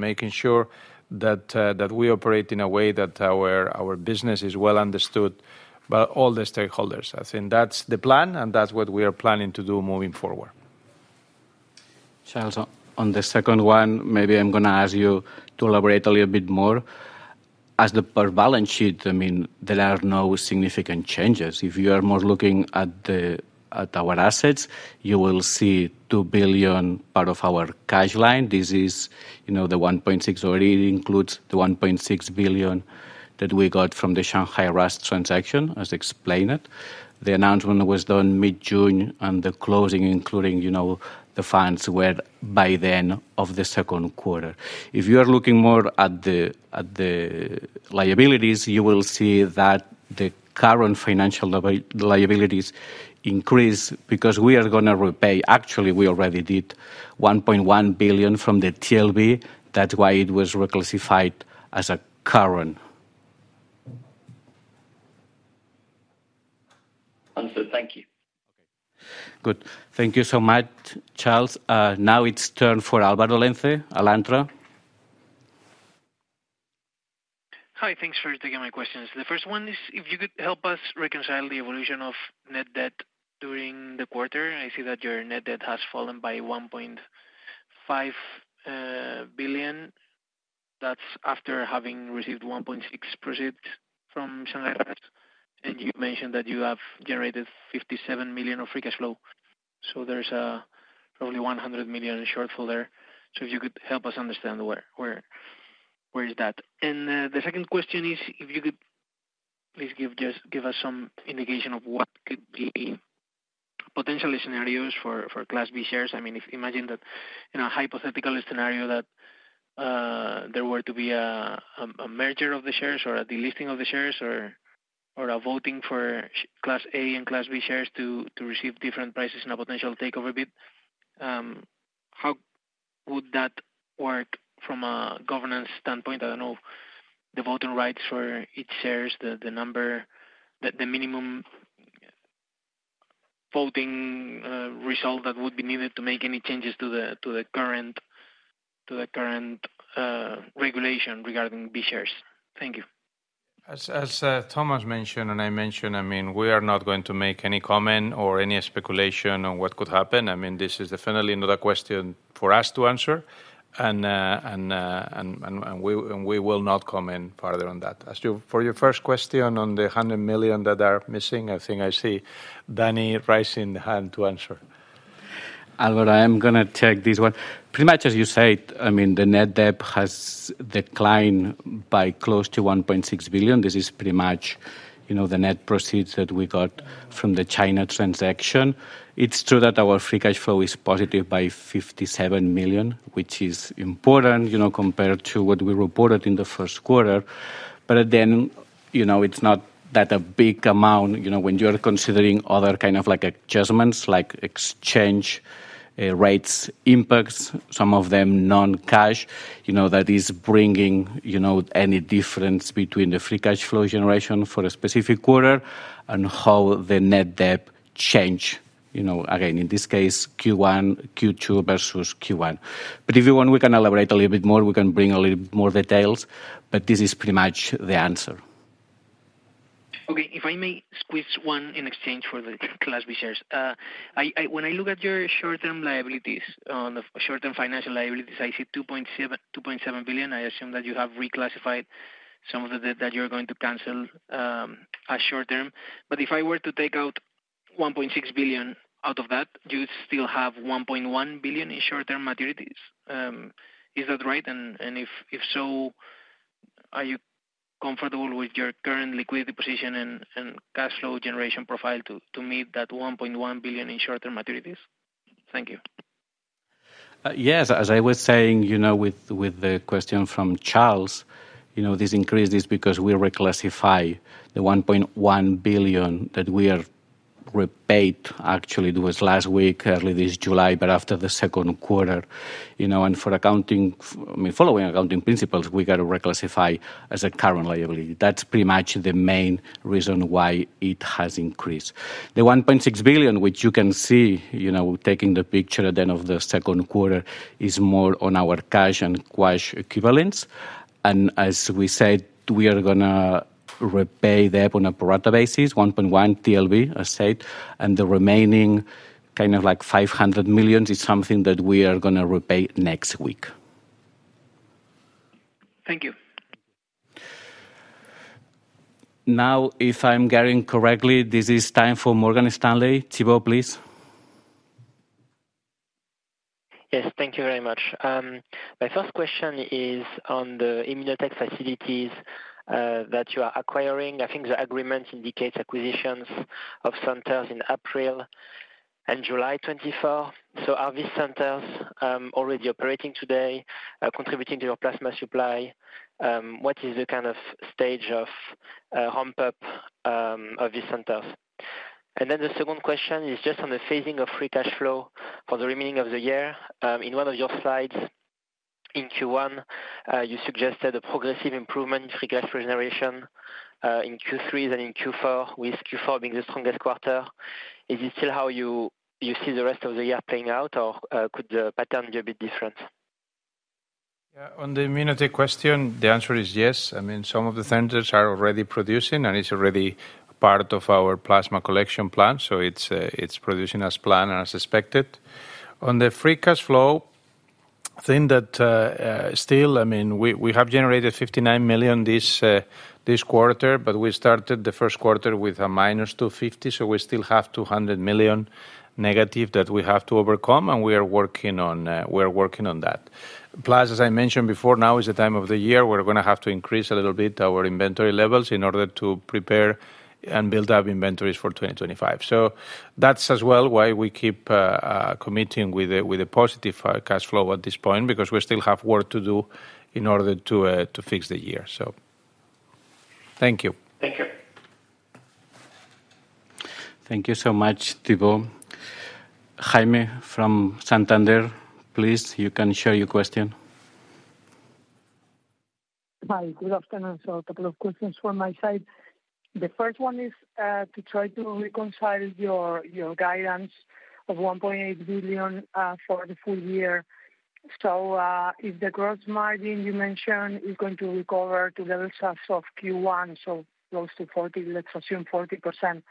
making sure that we operate in a way that our business is well understood by all the stakeholders. I think that's the plan, and that's what we are planning to do moving forward. Charles, on the second one, maybe I'm gonna ask you to elaborate a little bit more. As per balance sheet, I mean, there are no significant changes. If you are more looking at our assets, you will see 2 billion part of our cash line. This is, you know, the 1.6 already includes the 1.6 billion that we got from the Shanghai RAAS transaction, as explained. The announcement was done mid-June, and the closing, including, you know, the funds, were by then of the second quarter. If you are looking more at the liabilities, you will see that the current financial liabilities increase because we are gonna repay. Actually, we already did 1.1 billion from the TLB. That's why it was reclassified as a current. Understood. Thank you. Okay, good. Thank you so much, Charles. Now it's turn for Álvaro Lenze, Alantra. Hi, thanks for taking my questions. The first one is, if you could help us reconcile the evolution of net debt during the quarter. I see that your net debt has fallen by 1.5 billion. That's after having received 1.6 billion proceeds from Shanghai. And you mentioned that you have generated 57 million of free cash flow. So there's probably 100 million shortfall there. So if you could help us understand where is that? And, the second question is, if you could please give us some indication of what could be potential scenarios for Class B shares. I mean, imagine if that in a hypothetical scenario that there were to be a merger of the shares or a delisting of the shares or a voting for Class A and Class B shares to receive different prices in a potential takeover bid, how would that work from a governance standpoint? I don't know, the voting rights for each shares, the number, the minimum voting result that would be needed to make any changes to the current regulation regarding B shares. Thank you. As Thomas mentioned, and I mentioned, I mean, we are not going to make any comment or any speculation on what could happen. I mean, this is definitely not a question for us to answer, and we will not comment further on that. As to... For your first question on the 100 million that are missing, I think I see Dani raising hand to answer. Álvaro, I am gonna take this one. Pretty much as you said, I mean, the net debt has declined by close to 1.6 billion. This is pretty much, you know, the net proceeds that we got from the China transaction. It's true that our free cash flow is positive by 57 million, which is important, you know, compared to what we reported in the first quarter. But then, you know, it's not that a big amount, you know, when you are considering other kind of like adjustments, like exchange rates impacts, some of them non-cash, you know, that is bringing, you know, any difference between the free cash flow generation for a specific quarter and how the net debt change, you know, again, in this case, Q1, Q2 versus Q1. But if you want, we can elaborate a little bit more. We can bring a little more details, but this is pretty much the answer. Okay. If I may squeeze one in exchange for the Class B shares. When I look at your short-term liabilities on the short-term financial liabilities, I see 2.7 billion. I assume that you have reclassified some of the debt that you're going to cancel, as short term. But if I were to take out 1.6 billion out of that, do you still have 1.1 billion in short-term maturities? Is that right? And if so, are you comfortable with your current liquidity position and cash flow generation profile to meet that 1.1 billion in short-term maturities? Thank you. Yes, as I was saying, you know, with, with the question from Charles, you know, this increase is because we reclassify the 1.1 billion that we are repaid. Actually, it was last week, early this July, but after the second quarter, you know, and for accounting, I mean, following accounting principles, we got to reclassify as a current liability. That's pretty much the main reason why it has increased. The 1.6 billion, which you can see, you know, taking the picture then of the second quarter, is more on our cash and cash equivalents. And as we said, we are gonna repay there on a pro rata basis, 1.1 TLB, I said, and the remaining, kind of like 500 million, is something that we are gonna repay next week. Thank you. Now, if I'm getting correctly, this is time for Morgan Stanley. Thibault, please. Yes, thank you very much. My first question is on the ImmunoTek facilities that you are acquiring. I think the agreement indicates acquisitions of centers in April and July 24. So are these centers already operating today, contributing to your plasma supply? What is the kind of stage of ramp-up of these centers? And then the second question is just on the phasing of free cash flow for the remaining of the year. In one of your slides, in Q1, you suggested a progressive improvement in free cash flow generation in Q3 and in Q4, with Q4 being the strongest quarter. Is it still how you see the rest of the year playing out, or could the pattern be a bit different? Yeah, on the ImmunoTek question, the answer is yes. I mean, some of the centers are already producing, and it's already part of our plasma collection plan, so it's, it's producing as planned and as expected. On the free cash flow, I think that, still, I mean, we, we have generated 59 million this, this quarter, but we started the first quarter with a minus 250 million, so we still have 200 million negative that we have to overcome, and we are working on, we are working on that. Plus, as I mentioned before, now is the time of the year, we're gonna have to increase a little bit our inventory levels in order to prepare and build up inventories for 2025. So that's as well why we keep committing with a positive cash flow at this point, because we still have work to do in order to fix the year. So thank you. Thank you. Thank you so much, Thibault. Jaime from Santander, please, you can share your question. Hi, good afternoon. So a couple of questions from my side. The first one is, to try to reconcile your, your guidance of 1.8 billion for the full year. So, if the gross margin you mentioned is going to recover to the levels of Q1, so close to 40, let's assume 40%.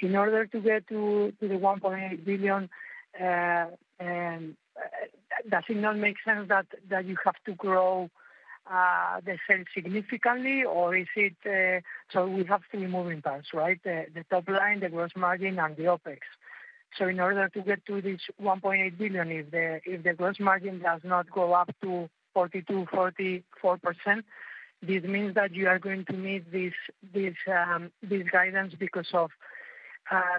In order to get to, to the 1.8 billion, does it not make sense that, that you have to grow, the sales significantly, or is it... So we have three moving parts, right? The, the top line, the gross margin, and the OpEx. So in order to get to this 1.8 billion, if the gross margin does not go up to 42%-44%, this means that you are going to meet this guidance because of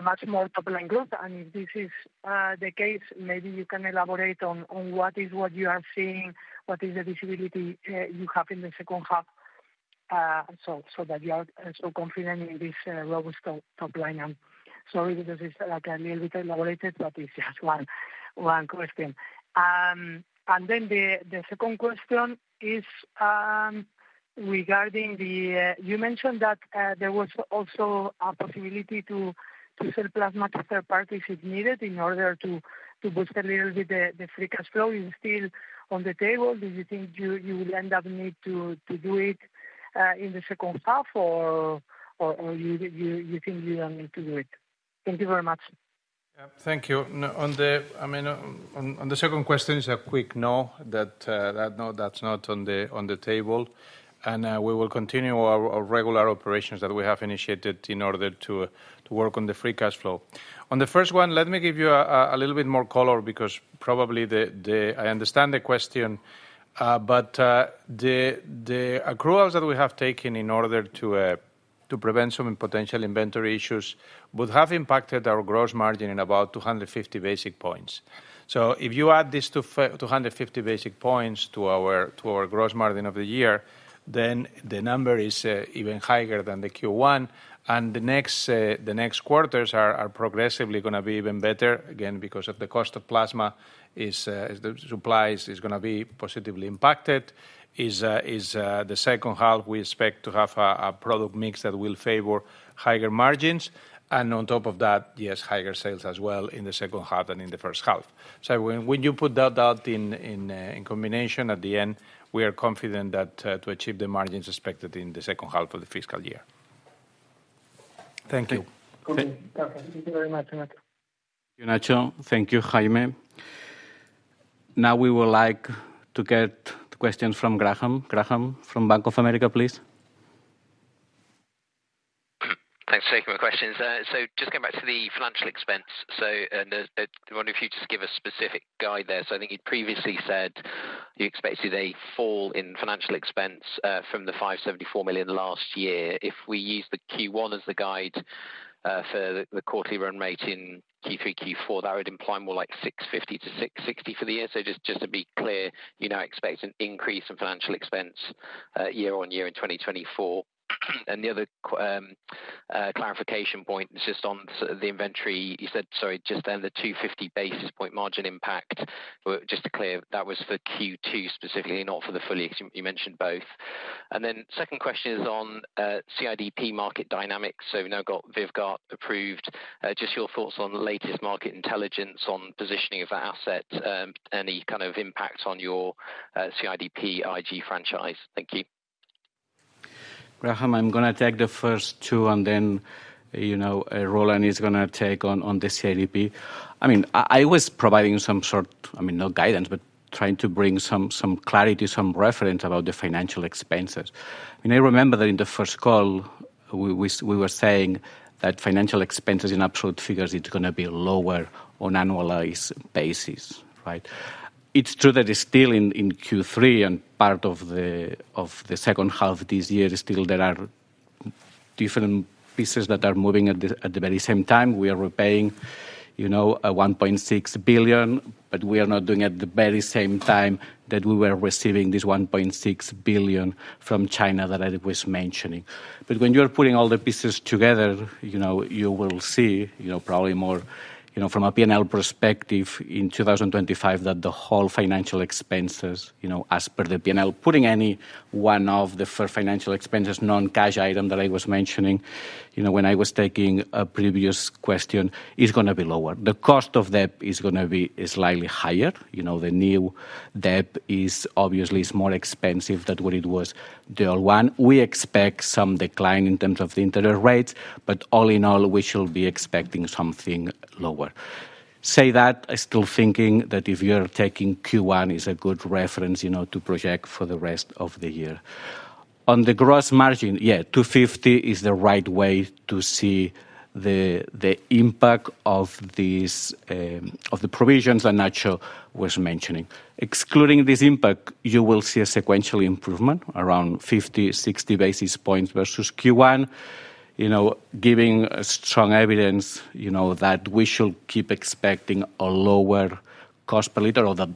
much more top-line growth. And if this is the case, maybe you can elaborate on what you are seeing, what is the visibility you have in the second half, so that you are so confident in this robust top line. I'm sorry, because it's like a little bit elaborated, but it's just one question. And then the second question is regarding the... You mentioned that there was also a possibility to sell plasma to third parties if needed, in order to boost a little bit the free cash flow is still on the table. Do you think you will end up need to do it in the second half, or you think you don't need to do it? Thank you very much. Thank you. No, on the, I mean, on, on the second question is a quick no, that, no, that's not on the, on the table, and we will continue our regular operations that we have initiated in order to work on the free cash flow. On the first one, let me give you a little bit more color, because probably the, the... I understand the question, but the accruals that we have taken in order to prevent some potential inventory issues would have impacted our gross margin in about 250 basis points. So if you add this 250 basis points to our gross margin of the year, then the number is even higher than the Q1, and the next quarters are progressively gonna be even better, again, because the cost of plasma is, the supplies is gonna be positively impacted. In the second half, we expect to have a product mix that will favor higher margins, and on top of that, yes, higher sales as well in the second half than in the first half. So when you put that in combination, at the end, we are confident that to achieve the margins expected in the second half of the fiscal year. Thank you. Okay. Thank you very much, Ignacio. Ignacio. Thank you, Jaime. Now, we would like to get the questions from Graham. Graham from Bank of America, please. Thanks for taking my questions. So just going back to the financial expense, so, and, I wonder if you'd just give a specific guide there. So I think you'd previously said you expected a fall in financial expense from the 574 million last year. If we use the Q1 as the guide for the quarterly run rate in Q3, Q4, that would imply more like 650 million-660 million for the year. So just to be clear, you now expect an increase in financial expense year-on-year in 2024. And the other clarification point is just on sort of the inventory. You said, sorry, just on the 250 basis point margin impact, but just to be clear, that was for Q2 specifically, not for the full year. You mentioned both.... Second question is on CIDP market dynamics. We've now got Vyvgart approved. Just your thoughts on the latest market intelligence on positioning of that asset, any kind of impact on your CIDP IG franchise? Thank you. Graham, I'm going to take the first two, and then, you know, Roland is going to take on the CIDP. I mean, I was providing some sort... I mean, no guidance, but trying to bring some clarity, some reference about the financial expenses. And I remember that in the first call, we were saying that financial expenses in absolute figures, it's going to be lower on annualized basis, right? It's true that it's still in Q3 and part of the second half this year, still there are different pieces that are moving at the very same time. We are repaying, you know, a 1.6 billion, but we are not doing at the very same time that we were receiving this 1.6 billion from China that I was mentioning. But when you are putting all the pieces together, you know, you will see, you know, probably more, you know, from a P&L perspective in 2025, that the whole financial expenses, you know, as per the P&L, putting any one of the financial expenses, non-cash item that I was mentioning, you know, when I was taking a previous question, is going to be lower. The cost of debt is going to be slightly higher. You know, the new debt is obviously is more expensive than what it was the old one. We expect some decline in terms of the interest rates, but all in all, we should be expecting something lower. Say that, still thinking that if you're taking Q1 is a good reference, you know, to project for the rest of the year. On the gross margin, yeah, 250 is the right way to see the impact of these of the provisions that Nacho was mentioning. Excluding this impact, you will see a sequential improvement around 50-60 basis points versus Q1, you know, giving strong evidence, you know, that we should keep expecting a lower cost per liter or the...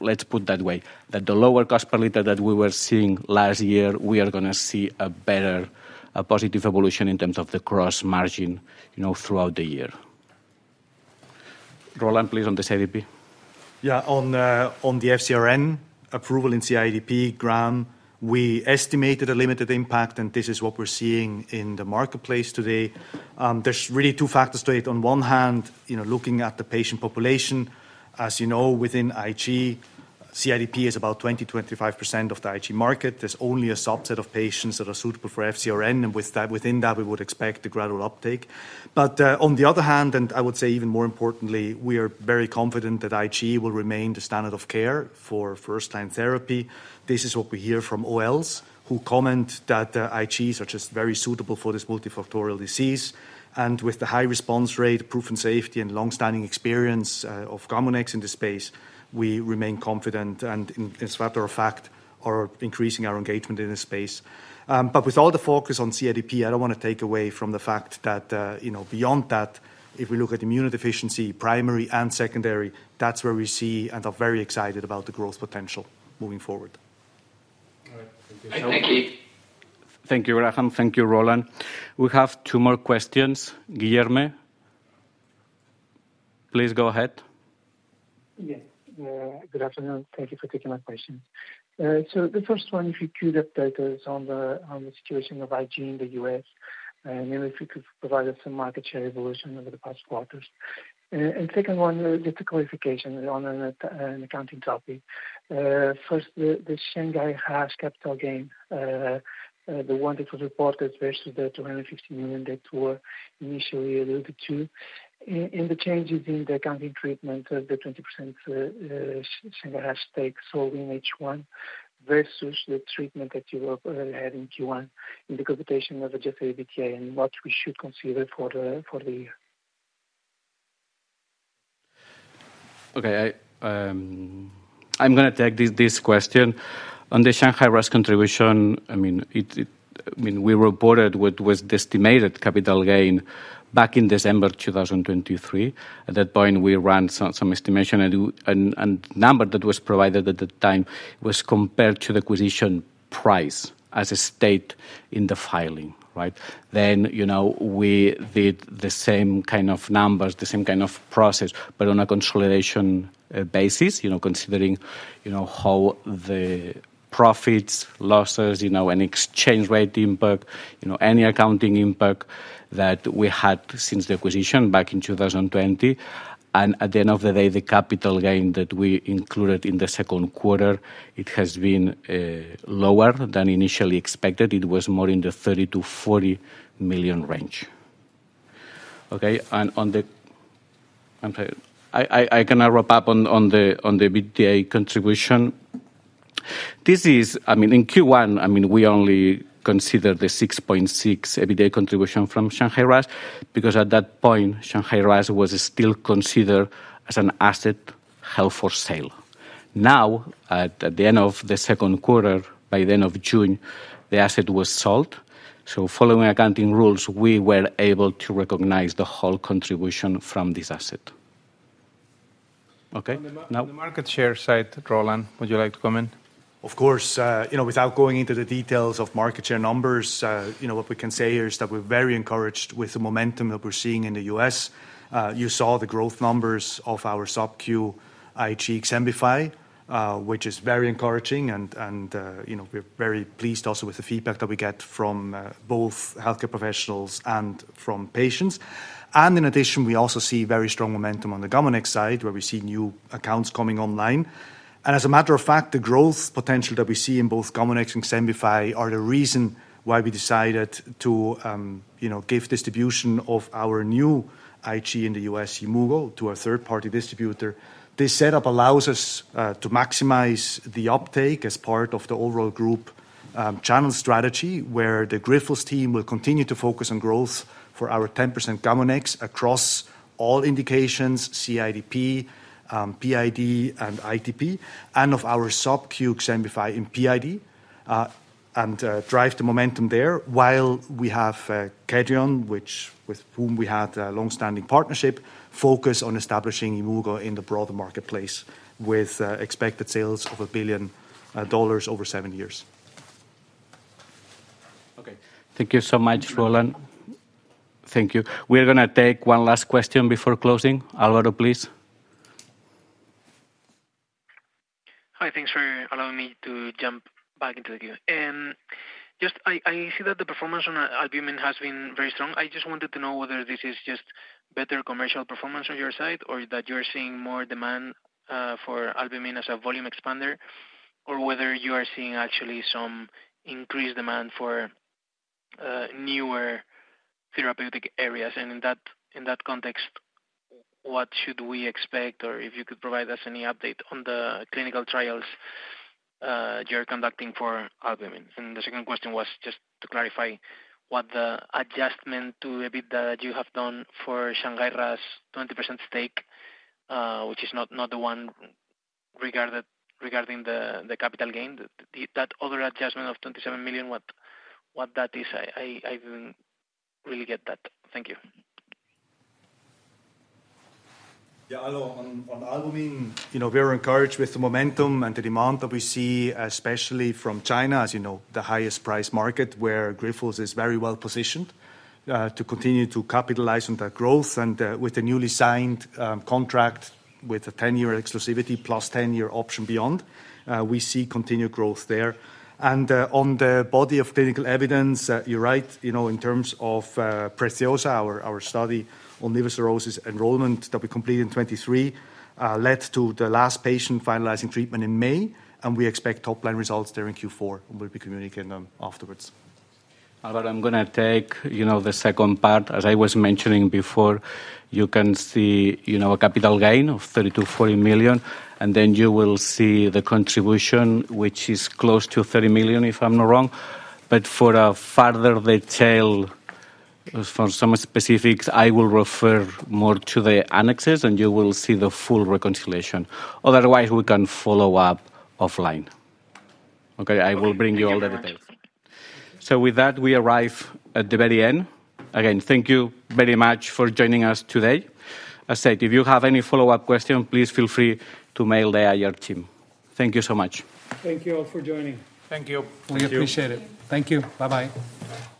Let's put that way, that the lower cost per liter that we were seeing last year, we are going to see a better, a positive evolution in terms of the gross margin, you know, throughout the year. Roland, please, on the CIDP. Yeah, on the FcRn approval in CIDP, Graham, we estimated a limited impact, and this is what we're seeing in the marketplace today. There's really two factors to it. On one hand, you know, looking at the patient population, as you know, within IG, CIDP is about 20-25% of the IG market. There's only a subset of patients that are suitable for FcRn, and with that, within that, we would expect a gradual uptake. But on the other hand, and I would say even more importantly, we are very confident that IG will remain the standard of care for first-line therapy. This is what we hear from OLs, who comment that, IGs are just very suitable for this multifactorial disease, and with the high response rate, proven safety, and long-standing experience, of Gamunex in the space, we remain confident, and in this matter of fact, are increasing our engagement in this space. But with all the focus on CIDP, I don't want to take away from the fact that, you know, beyond that, if we look at immunodeficiency, primary and secondary, that's where we see and are very excited about the growth potential moving forward. All right. Thank you. Thank you. Thank you, Grafham. Thank you, Roland. We have two more questions. Guilherme, please go ahead. Yes. Good afternoon. Thank you for taking my question. So the first one, if you could update us on the situation of IG in the US, and then if you could provide us some market share evolution over the past quarters. Second one, just a qualification on an accounting topic. First, the Shanghai RAAS capital gain, the one that was reported versus the 250 million that were initially alluded to. And the changes in the accounting treatment of the 20% Shanghai RAAS stake, so in H1 versus the treatment that you had in Q1 in the computation of adjusted EBITDA and what we should consider for the year. Okay. I, I'm going to take this, this question. On the Shanghai RAAS contribution, I mean, it... I mean, we reported what was the estimated capital gain back in December 2023. At that point, we ran some estimation, and number that was provided at the time was compared to the acquisition price as stated in the filing, right? Then, you know, we did the same kind of numbers, the same kind of process, but on a consolidation basis, you know, considering, you know, how the profits, losses, you know, any exchange rate impact, you know, any accounting impact that we had since the acquisition back in 2020. And at the end of the day, the capital gain that we included in the second quarter, it has been lower than initially expected. It was more in the 30 million-40 million range. Okay, and on the... I'm sorry. I cannot wrap up on the EBITDA contribution. This is... I mean, in Q1, I mean, we only considered the 6.6 million EBITDA contribution from Shanghai RAAS, because at that point, Shanghai RAAS was still considered as an asset held for sale. Now, at the end of the second quarter, by the end of June, the asset was sold. So following accounting rules, we were able to recognize the whole contribution from this asset... Okay, now the market share side, Roland, would you like to comment? Of course, you know, without going into the details of market share numbers, you know, what we can say here is that we're very encouraged with the momentum that we're seeing in the US. You saw the growth numbers of our SubQ IG XEMBIFY, which is very encouraging and, you know, we're very pleased also with the feedback that we get from both healthcare professionals and from patients. In addition, we also see very strong momentum on the Gamunex side, where we see new accounts coming online. As a matter of fact, the growth potential that we see in both Gamunex and XEMBIFY are the reason why we decided to, you know, give distribution of our new IG in the U.S., YIMMUGO, to a third-party distributor. This setup allows us to maximize the uptake as part of the overall group channel strategy, where the Grifols team will continue to focus on growth for our 10% Gamunex across all indications, CIDP, PID, and ITP, and of our SubQ Xembify in PID, and drive the momentum there. While we have Kedrion with whom we had a long-standing partnership focus on establishing YIMMUGO in the broader marketplace, with expected sales of $1 billion over seven years. Okay. Thank you so much, Roland. Thank you. We are going to take one last question before closing. Álvaro, please. Hi, thanks for allowing me to jump back into the queue. Just, I see that the performance on albumin has been very strong. I just wanted to know whether this is just better commercial performance on your side, or that you're seeing more demand for albumin as a volume expander, or whether you are seeing actually some increased demand for newer therapeutic areas. And in that context, what should we expect? Or if you could provide us any update on the clinical trials you're conducting for albumin. And the second question was just to clarify what the adjustment to EBITDA that you have done for Shanghai RAAS's 20% stake, which is not the one regarding the capital gain. That other adjustment of 27 million, what that is? I didn't really get that. Thank you. Yeah, Álvaro, on albumin, you know, we are encouraged with the momentum and the demand that we see, especially from China, as you know, the highest price market, where Grifols is very well positioned to continue to capitalize on that growth. And with the newly signed contract, with a 10 year exclusivity +10 year option beyond, we see continued growth there. And on the body of clinical evidence, you're right, you know, in terms of Preciosa, our study on liver cirrhosis enrollment that we completed in 2023 led to the last patient finalizing treatment in May, and we expect top-line results there in Q4, and we'll be communicating them afterwards. Álvaro, I'm going to take, you know, the second part. As I was mentioning before, you can see, you know, a capital gain of 30-40 million, and then you will see the contribution, which is close to 30 million, if I'm not wrong. But for a further detail, for some specifics, I will refer more to the annexes, and you will see the full reconciliation. Otherwise, we can follow up offline. Okay? I will bring you all the details. Thank you. With that, we arrive at the very end. Again, thank you very much for joining us today. As I said, if you have any follow-up question, please feel free to mail the IR team. Thank you so much. Thank you all for joining. Thank you. Thank you. We appreciate it. Thank you. Bye-bye.